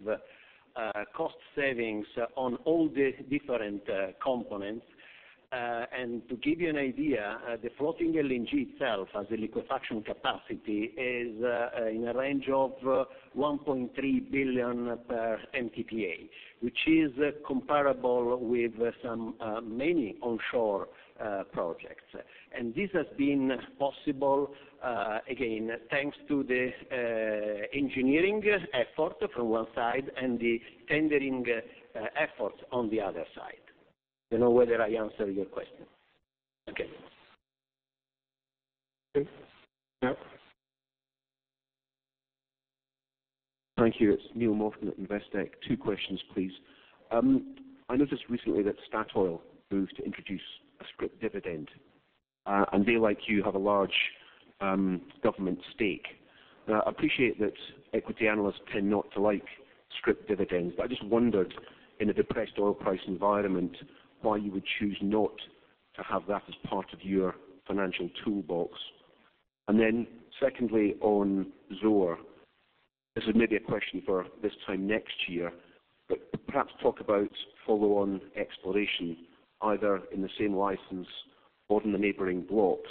cost savings on all the different components. To give you an idea, the floating LNG itself, as a liquefaction capacity, is in a range of 1.3 billion mtpa, which is comparable with many onshore projects. This has been possible, again, thanks to the engineering effort from one side and the tendering effort on the other side. Don't know whether I answered your question. Okay. Okay. Now? Thank you. It's Neill Morton from Investec. Two questions, please. I noticed recently that Statoil moved to introduce a scrip dividend, they, like you, have a large government stake. I appreciate that equity analysts tend not to like scrip dividends, I just wondered, in a depressed oil price environment, why you would choose not to have that as part of your financial toolbox? Secondly, on Zohr. This is maybe a question for this time next year, perhaps talk about follow-on exploration, either in the same license or in the neighboring blocks,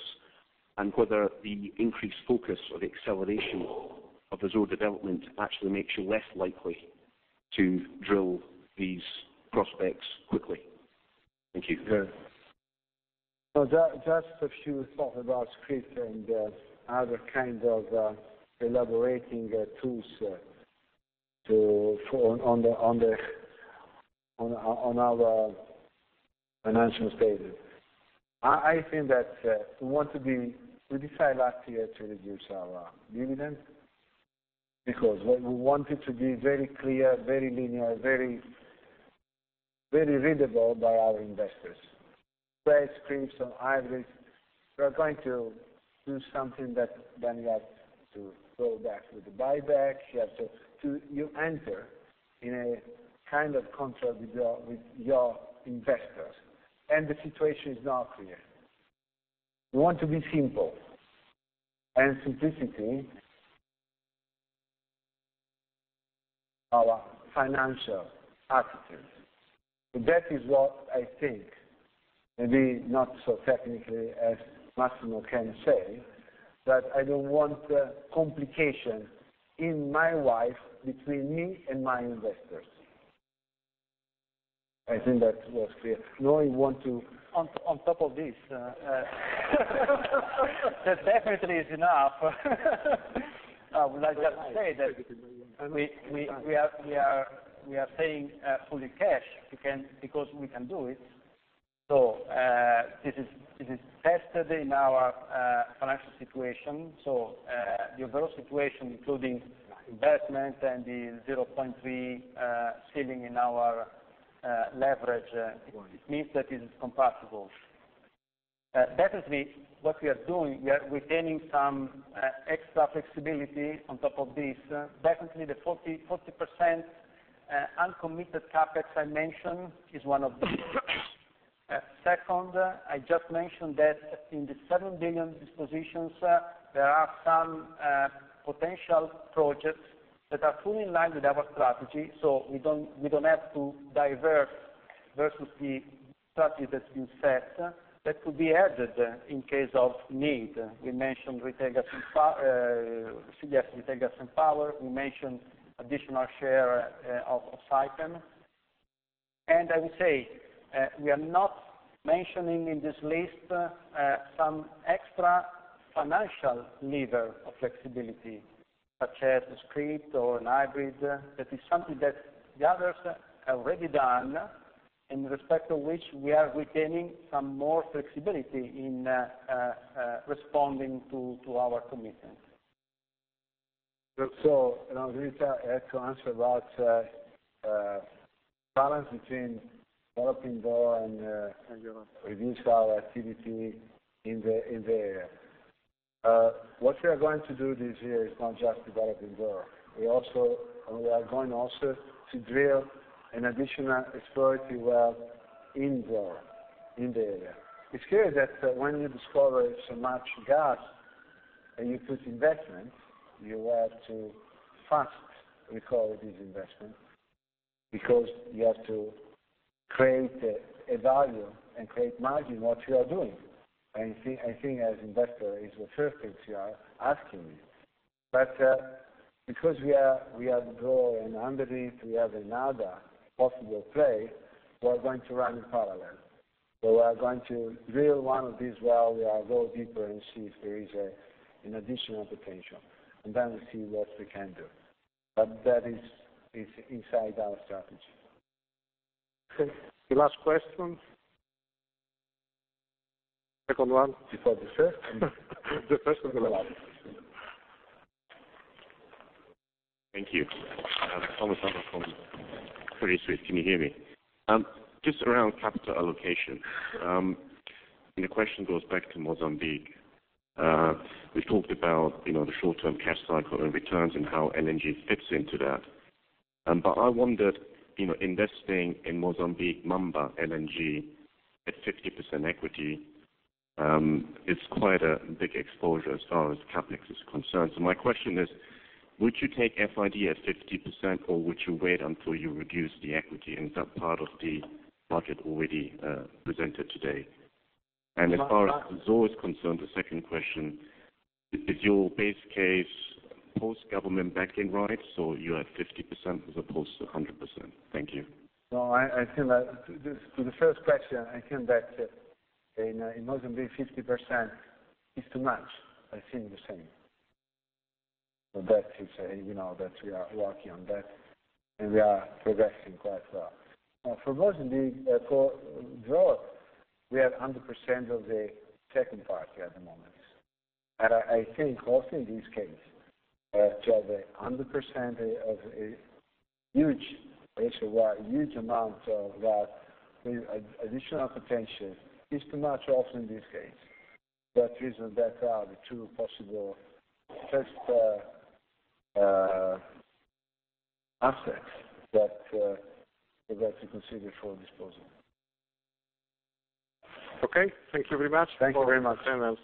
and whether the increased focus or the acceleration of the Zohr development actually makes you less likely to drill these prospects quickly. Thank you. Just a few thoughts about scrip and other kind of elaborating tools on our financial statement. I think that we decided last year to reduce our dividend because we wanted to be very clear, very linear, very readable by our investors. Scrips or hybrids, we're going to do something that then you have to go back with the buyback. You enter in a kind of contract with your investors, the situation is now clear. We want to be simple, simplicity our financial attitude. That is what I think, maybe not so technically as Massimo can say, I don't want complication in my life between me and my investors. I think that was clear. You want to- On top of this. That definitely is enough. I would like just to say that we are paying fully cash, because we can do it. This is tested in our financial situation. The overall situation, including investment and the 0.3 ceiling in our leverage, means that it is compatible. Definitely, what we are doing, we are retaining some extra flexibility on top of this. Definitely the 40% uncommitted CapEx I mentioned is one of them. Second, I just mentioned that in the 7 billion dispositions, there are some potential projects that are fully in line with our strategy, so we don't have to divert versus the strategy that's been set. That could be added in case of need. We mentioned we take Gas & Power. We mentioned additional share of Saipem. I would say, we are not mentioning in this list some extra financial lever of flexibility, such as a scrip or an hybrid. That is something that the others have already done in respect of which we are retaining some more flexibility in responding to our commitments. I was going to ask to answer about balance between developing Zohr and reduce our activity in the area. What we are going to do this year is not just developing Zohr. We are going also to drill an additional exploratory well in Zohr, in the area. It's clear that when you discover so much gas and you put investment, you have to fast recover this investment because you have to create a value and create margin what you are doing. I think as investor, it's the first things you are asking me. Because we are growing, and underneath we have another possible play, we are going to run in parallel. We are going to drill one of these while we are going deeper and see if there is an additional potential, and then we see what we can do. That is inside our strategy. Okay, the last question. Second one before the first. The first of the last. Thank you. Thomas Adolff from Credit Suisse. Can you hear me? Just around capital allocation, the question goes back to Mozambique. We talked about the short-term cash cycle and returns and how LNG fits into that. I wondered, investing in Mozambique Mamba LNG at 50% equity, it's quite a big exposure as far as CapEx is concerned. My question is, would you take FID at 50%, or would you wait until you reduce the equity? Is that part of the market already presented today? As far as Zohr is concerned, the second question, is your base case post-government backing rights, so you have 50% as opposed to 100%? Thank you. No, to the first question, I think that in Mozambique, 50% is too much. I think the same. That we are working on that, we are progressing quite well. For Mozambique, for Zohr, we have 100% of the second party at the moment. I think also in this case, to have 100% of a huge amount of that with additional potential is too much also in this case. That is, that are the two possible first aspects that we got to consider for disposal. Okay. Thank you very much. Thank you very much.